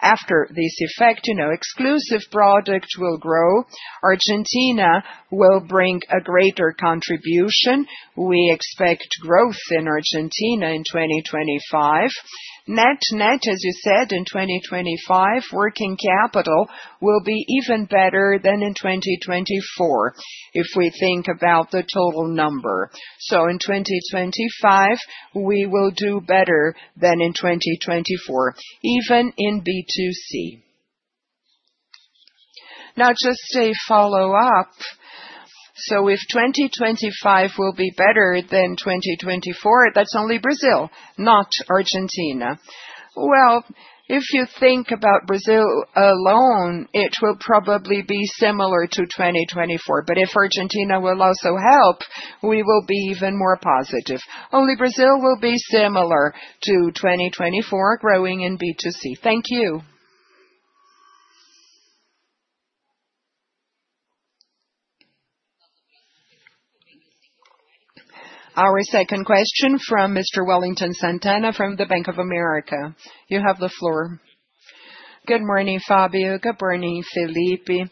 after this effect, you know, exclusive product will grow. Argentina will bring a greater contribution. We expect growth in Argentina in 2025. Net, net, as you said, in 2025, working capital will be even better than in 2024 if we think about the total number. In 2025, we will do better than in 2024, even in B2C. Now, just a follow-up. If 2025 will be better than 2024, that's only Brazil, not Argentina. If you think about Brazil alone, it will probably be similar to 2024, but if Argentina will also help, we will be even more positive. Only Brazil will be similar to 2024, growing in B2C. Thank you. Our second question from Mr. Wellington Santana from the Bank of America. You have the floor. Good morning, Fabio. Good morning, Felipe.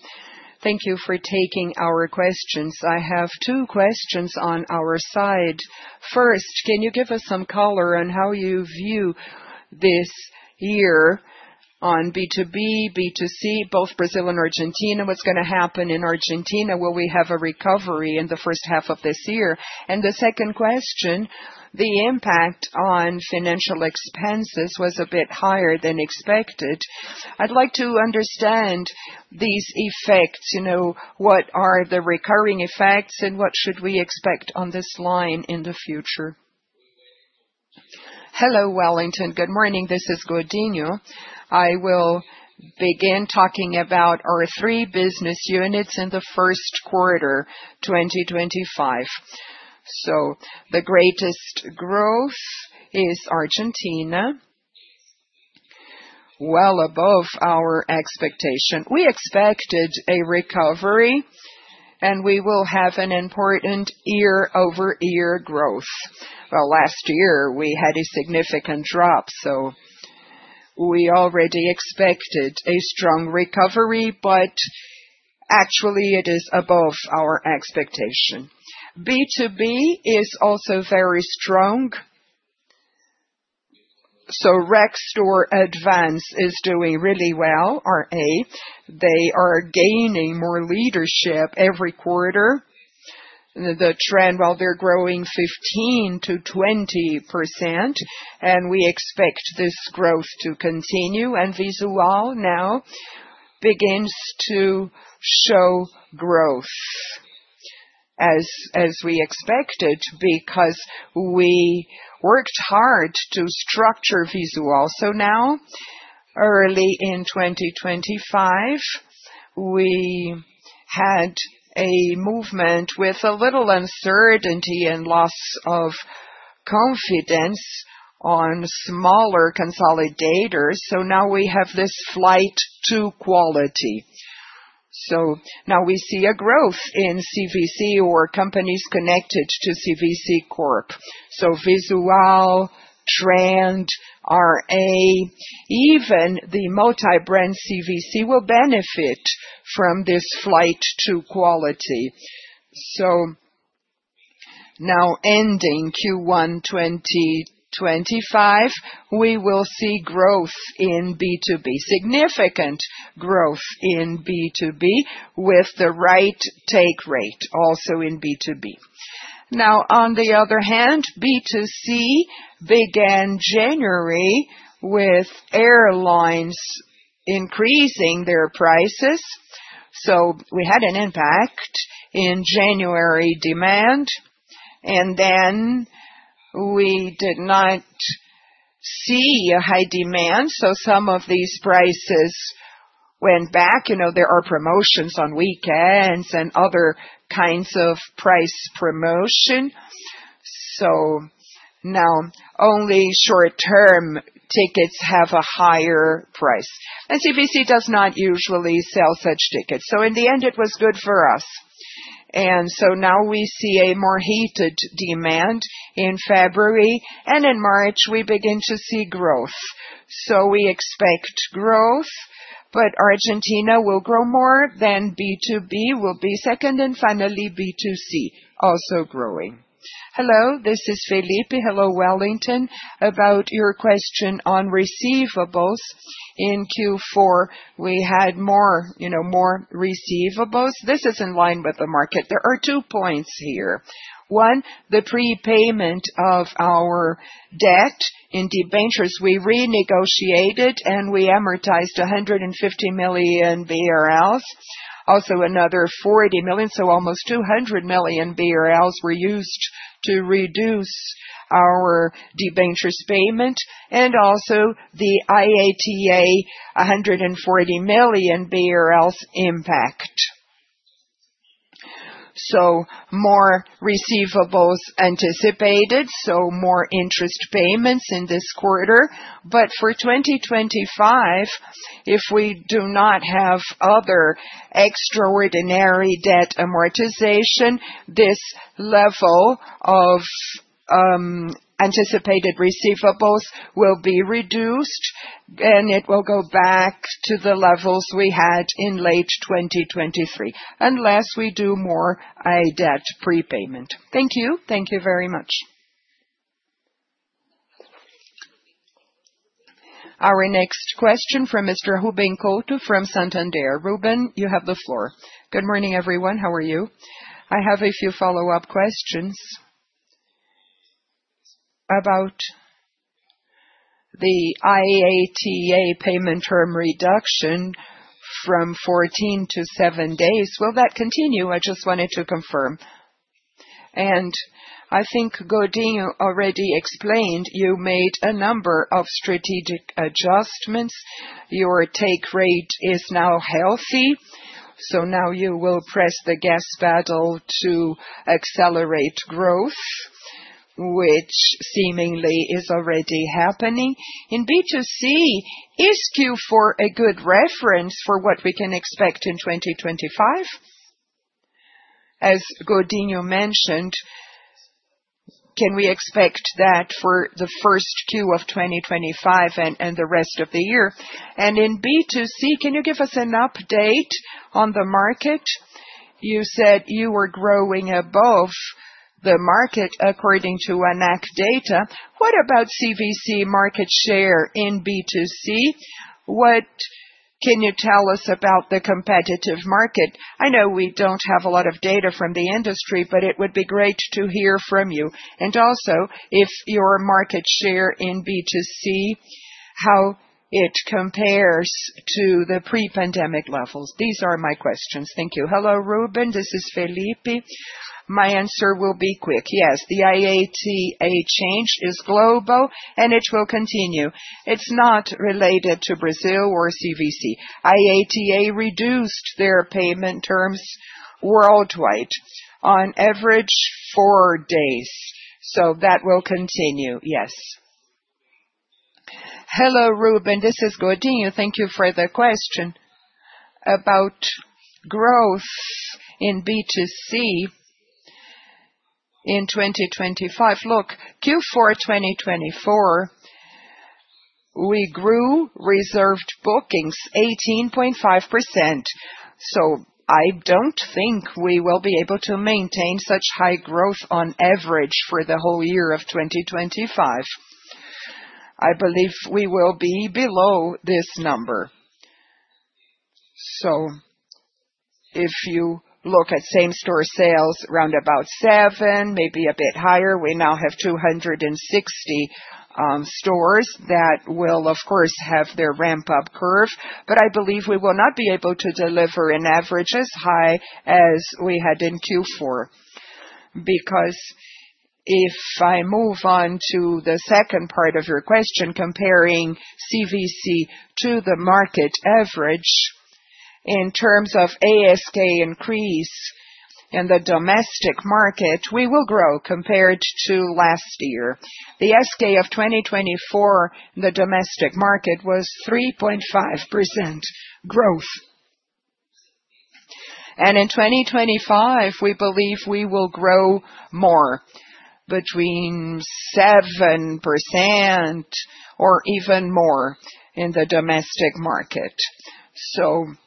Thank you for taking our questions. I have two questions on our side. First, can you give us some color on how you view this year on B2B, B2C, both Brazil and Argentina? What's going to happen in Argentina? Will we have a recovery in the first half of this year? The second question, the impact on financial expenses was a bit higher than expected. I'd like to understand these effects, you know, what are the recurring effects and what should we expect on this line in the future? Hello, Wellington. Good morning. This is Godinho. I will begin talking about our three business units in the first quarter 2025. The greatest growth is Argentina, well above our expectation. We expected a recovery and we will have an important year-over-year growth. Last year we had a significant drop, so we already expected a strong recovery, but actually it is above our expectation. B2B is also very strong. RexturAdvance is doing really well, RA. They are gaining more leadership every quarter. Trend, while they're growing 15%-20%, and we expect this growth to continue. Visual now begins to show growth as we expected because we worked hard to structure Visual. Now, early in 2025, we had a movement with a little uncertainty and loss of confidence on smaller consolidators. Now we have this flight to quality. Now we see a growth in CVC or companies connected to CVC Corp. Vizual, Trend, RA, even the multi-brand CVC will benefit from this flight to quality. Now, ending Q1 2025, we will see growth in B2B, significant growth in B2B with the right take rate also in B2B. On the other hand, B2C began January with airlines increasing their prices. We had an impact in January demand, and then we did not see a high demand. Some of these prices went back. You know, there are promotions on weekends and other kinds of price promotion. Now only short-term tickets have a higher price. CVC does not usually sell such tickets. In the end, it was good for us. Now we see a more heated demand in February, and in March we begin to see growth. We expect growth, but Argentina will grow more. B2B will be second, and finally B2C also growing. Hello, this is Felipe. Hello, Wellington. About your question on receivables in Q4, we had more, you know, more receivables. This is in line with the market. There are two points here. One, the prepayment of our debt in debentures. We renegotiated and we amortized 150 million BRL. Also, another 40 million, so almost 200 million BRL were used to reduce our debentures payment. Also, the IATA BRL 140 million impact. More receivables anticipated, so more interest payments in this quarter. For 2025, if we do not have other extraordinary debt amortization, this level of anticipated receivables will be reduced, and it will go back to the levels we had in late 2023 unless we do more debt prepayment. Thank you. Thank you very much. Our next question from Mr. Ruben Couto from Santander. Ruben, you have the floor. Good morning, everyone. How are you? I have a few follow-up questions about the IATA payment term reduction from 14-7 days. Will that continue? I just wanted to confirm. I think Godinho already explained you made a number of strategic adjustments. Your take rate is now healthy, so now you will press the gas pedal to accelerate growth, which seemingly is already happening. In B2C, is Q4 a good reference for what we can expect in 2025? As Godinho mentioned, can we expect that for the first Q of 2025 and the rest of the year? In B2C, can you give us an update on the market? You said you were growing above the market according to ANAC data. What about CVC market share in B2C? What can you tell us about the competitive market? I know we do not have a lot of data from the industry, but it would be great to hear from you. Also, if your market share in B2C, how it compares to the pre-pandemic levels. These are my questions. Thank you. Hello, Ruben. This is Felipe. My answer will be quick. Yes, the IATA change is global, and it will continue. It is not related to Brazil or CVC. IATA reduced their payment terms worldwide on average four days, so that will continue. Yes. Hello, Ruben. This is Godinho. Thank you for the question about growth in B2C in 2025. Look, Q4 2024, we grew reserved bookings 18.5%. I do not think we will be able to maintain such high growth on average for the whole year of 2025. I believe we will be below this number. If you look at same store sales, around about 7, maybe a bit higher, we now have 260 stores that will, of course, have their ramp-up curve. I believe we will not be able to deliver an average as high as we had in Q4 because if I move on to the second part of your question, comparing CVC to the market average in terms of ASK increase in the domestic market, we will grow compared to last year. The ASK of 2024 in the domestic market was 3.5% growth. In 2025, we believe we will grow more between 7% or even more in the domestic market. That is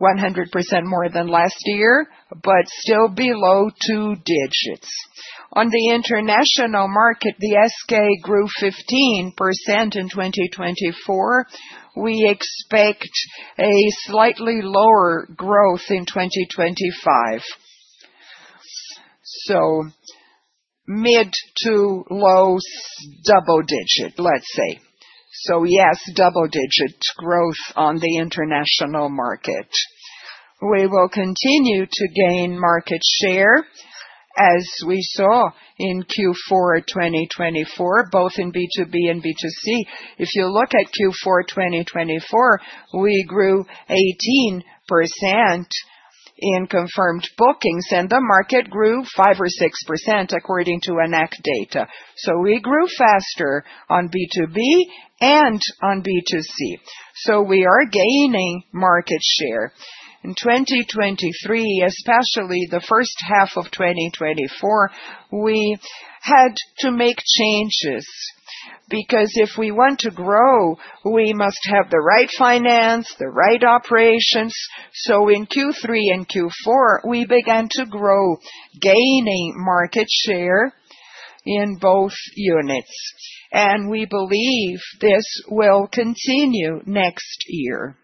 100% more than last year, but still below two digits. On the international market, the ASK grew 15% in 2024. We expect a slightly lower growth in 2025, so mid to low double digit, let's say. Yes, double digit growth on the international market. We will continue to gain market share as we saw in Q4 2024, both in B2B and B2C. If you look at Q4 2024, we grew 18% in confirmed bookings, and the market grew 5-6% according to ANAC data. We grew faster on B2B and on B2C. We are gaining market share. In 2023, especially the first half of 2024, we had to make changes because if we want to grow, we must have the right finance, the right operations. In Q3 and Q4, we began to grow, gaining market share in both units. We believe this will continue next year.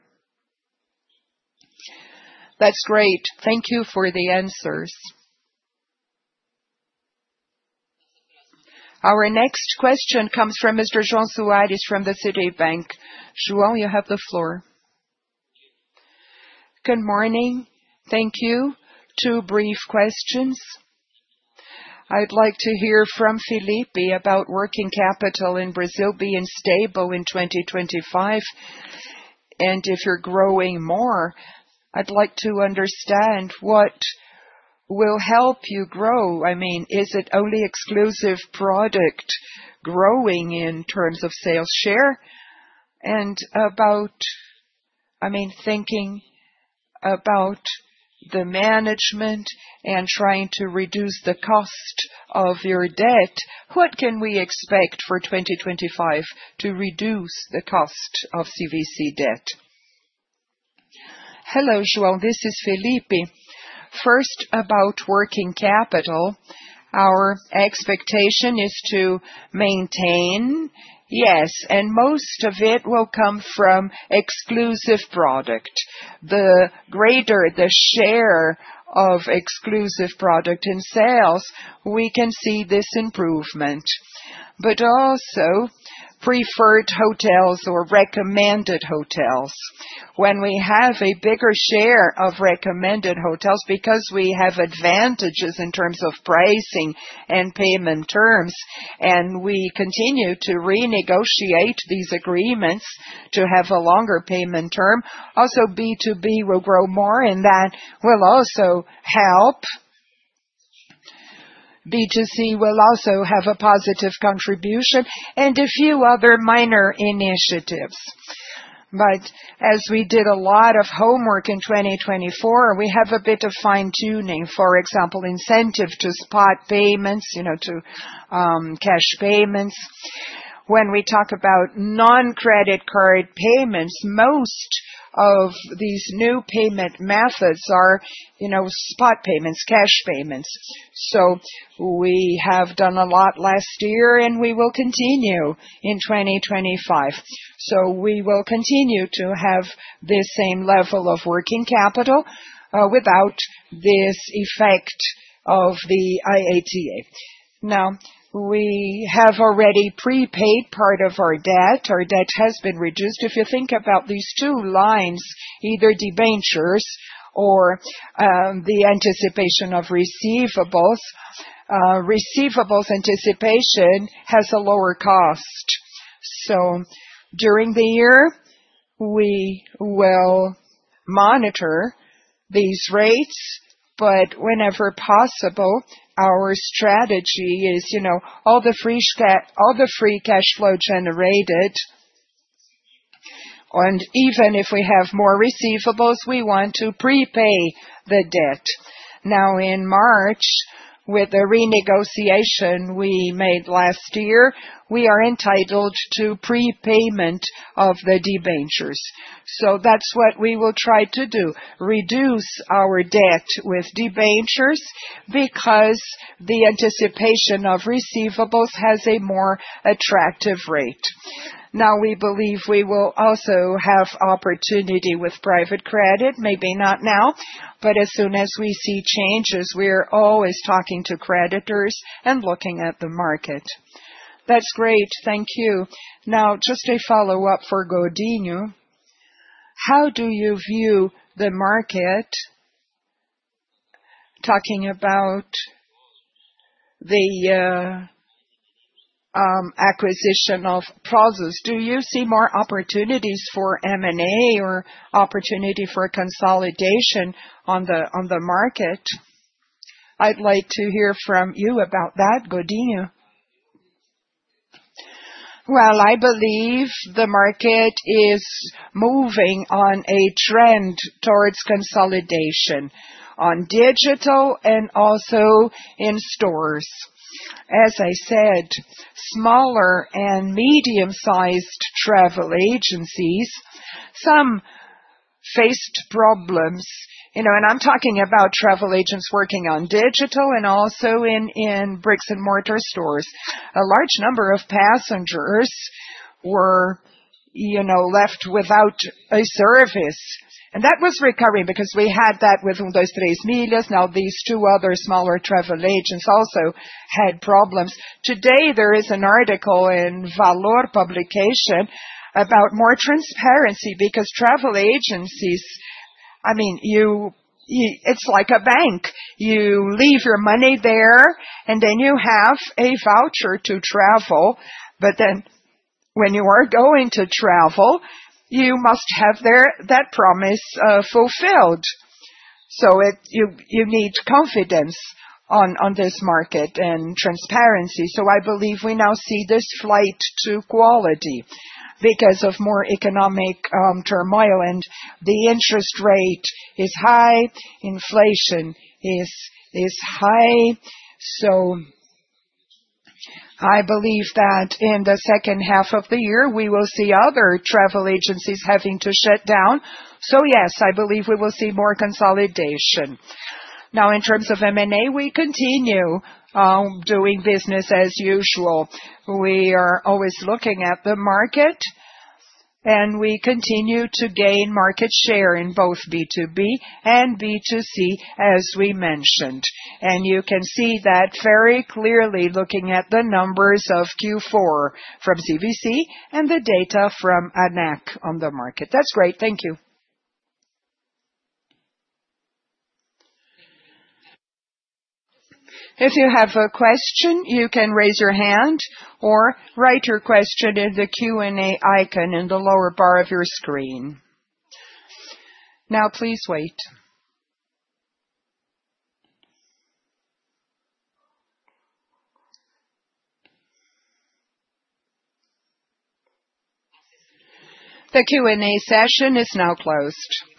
That's great. Thank you for the answers. Our next question comes from Mr. João Suarez from Citibank. João, you have the floor. Good morning. Thank you. Two brief questions. I'd like to hear from Felipe about working capital in Brazil being stable in 2025. If you're growing more, I'd like to understand what will help you grow. I mean, is it only exclusive product growing in terms of sales share? About, I mean, thinking about the management and trying to reduce the cost of your debt, what can we expect for 2025 to reduce the cost of CVC debt? Hello, João. This is Felipe. First, about working capital, our expectation is to maintain. Yes, and most of it will come from exclusive product. The greater the share of exclusive product in sales, we can see this improvement. Also preferred hotels or recommended hotels. When we have a bigger share of recommended hotels, because we have advantages in terms of pricing and payment terms, and we continue to renegotiate these agreements to have a longer payment term, also B2B will grow more and that will also help. B2C will also have a positive contribution and a few other minor initiatives. As we did a lot of homework in 2024, we have a bit of fine-tuning, for example, incentive to spot payments, you know, to cash payments. When we talk about non-credit card payments, most of these new payment methods are, you know, spot payments, cash payments. We have done a lot last year and we will continue in 2025. We will continue to have this same level of working capital without this effect of the IATA. Now, we have already prepaid part of our debt. Our debt has been reduced. If you think about these two lines, either debentures or the anticipation of receivables, receivables anticipation has a lower cost. During the year, we will monitor these rates, but whenever possible, our strategy is, you know, all the free cash flow generated, and even if we have more receivables, we want to prepay the debt. In March, with the renegotiation we made last year, we are entitled to prepayment of the debentures. That is what we will try to do, reduce our debt with debentures because the anticipation of receivables has a more attractive rate. We believe we will also have opportunity with private credit, maybe not now, but as soon as we see changes, we are always talking to creditors and looking at the market. That is great. Thank you. Now, just a follow-up for Godinho. How do you view the market talking about the acquisition of plazas? Do you see more opportunities for M&A or opportunity for consolidation on the market? I'd like to hear from you about that, Godinho. I believe the market is moving on a trend towards consolidation on digital and also in stores. As I said, smaller and medium-sized travel agencies, some faced problems, you know, and I'm talking about travel agents working on digital and also in bricks-and-mortar stores. A large number of passengers were, you know, left without a service. That was recovering because we had that with Undas, Três Milhas. Now, these two other smaller travel agents also had problems. Today, there is an article in Valor publication about more transparency because travel agencies, I mean, you, it's like a bank. You leave your money there and then you have a voucher to travel. When you are going to travel, you must have that promise fulfilled. You need confidence on this market and transparency. I believe we now see this flight to quality because of more economic turmoil and the interest rate is high, inflation is high. I believe that in the second half of the year, we will see other travel agencies having to shut down. Yes, I believe we will see more consolidation. Now, in terms of M&A, we continue doing business as usual. We are always looking at the market and we continue to gain market share in both B2B and B2C, as we mentioned. You can see that very clearly looking at the numbers of Q4 from CVC and the data from ANAC on the market. That's great. Thank you. If you have a question, you can raise your hand or write your question in the Q&A icon in the lower bar of your screen. Now, please wait. The Q&A session is now closed.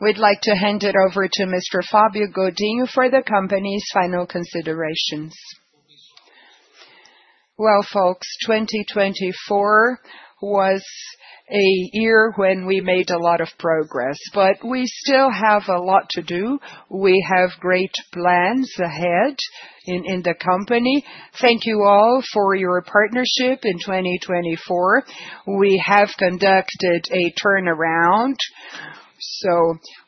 We'd like to hand it over to Mr. Fabio Godinho for the company's final considerations. Well, folks, 2024 was a year when we made a lot of progress, but we still have a lot to do. We have great plans ahead in the company. Thank you all for your partnership in 2024. We have conducted a turnaround.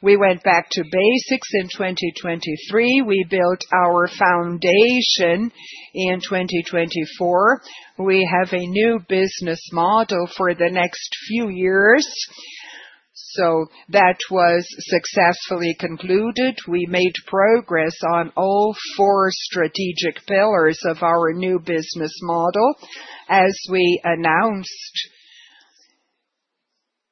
We went back to basics in 2023. We built our foundation in 2024. We have a new business model for the next few years. That was successfully concluded. We made progress on all four strategic pillars of our new business model as we announced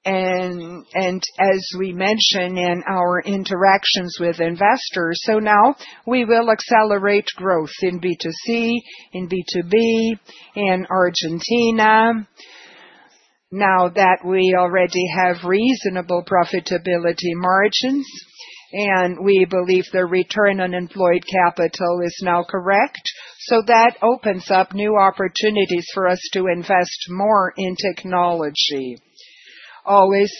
and as we mentioned in our interactions with investors. Now we will accelerate growth in B2C, in B2B, in Argentina. Now that we already have reasonable profitability margins and we believe the return on employed capital is now correct, that opens up new opportunities for us to invest more in technology. Always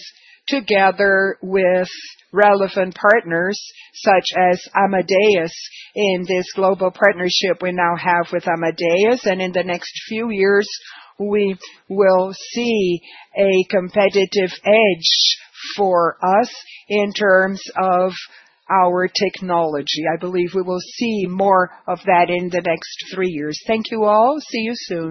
together with relevant partners such as Amadeus in this global partnership we now have with Amadeus. In the next few years, we will see a competitive edge for us in terms of our technology. I believe we will see more of that in the next three years. Thank you all. See you soon.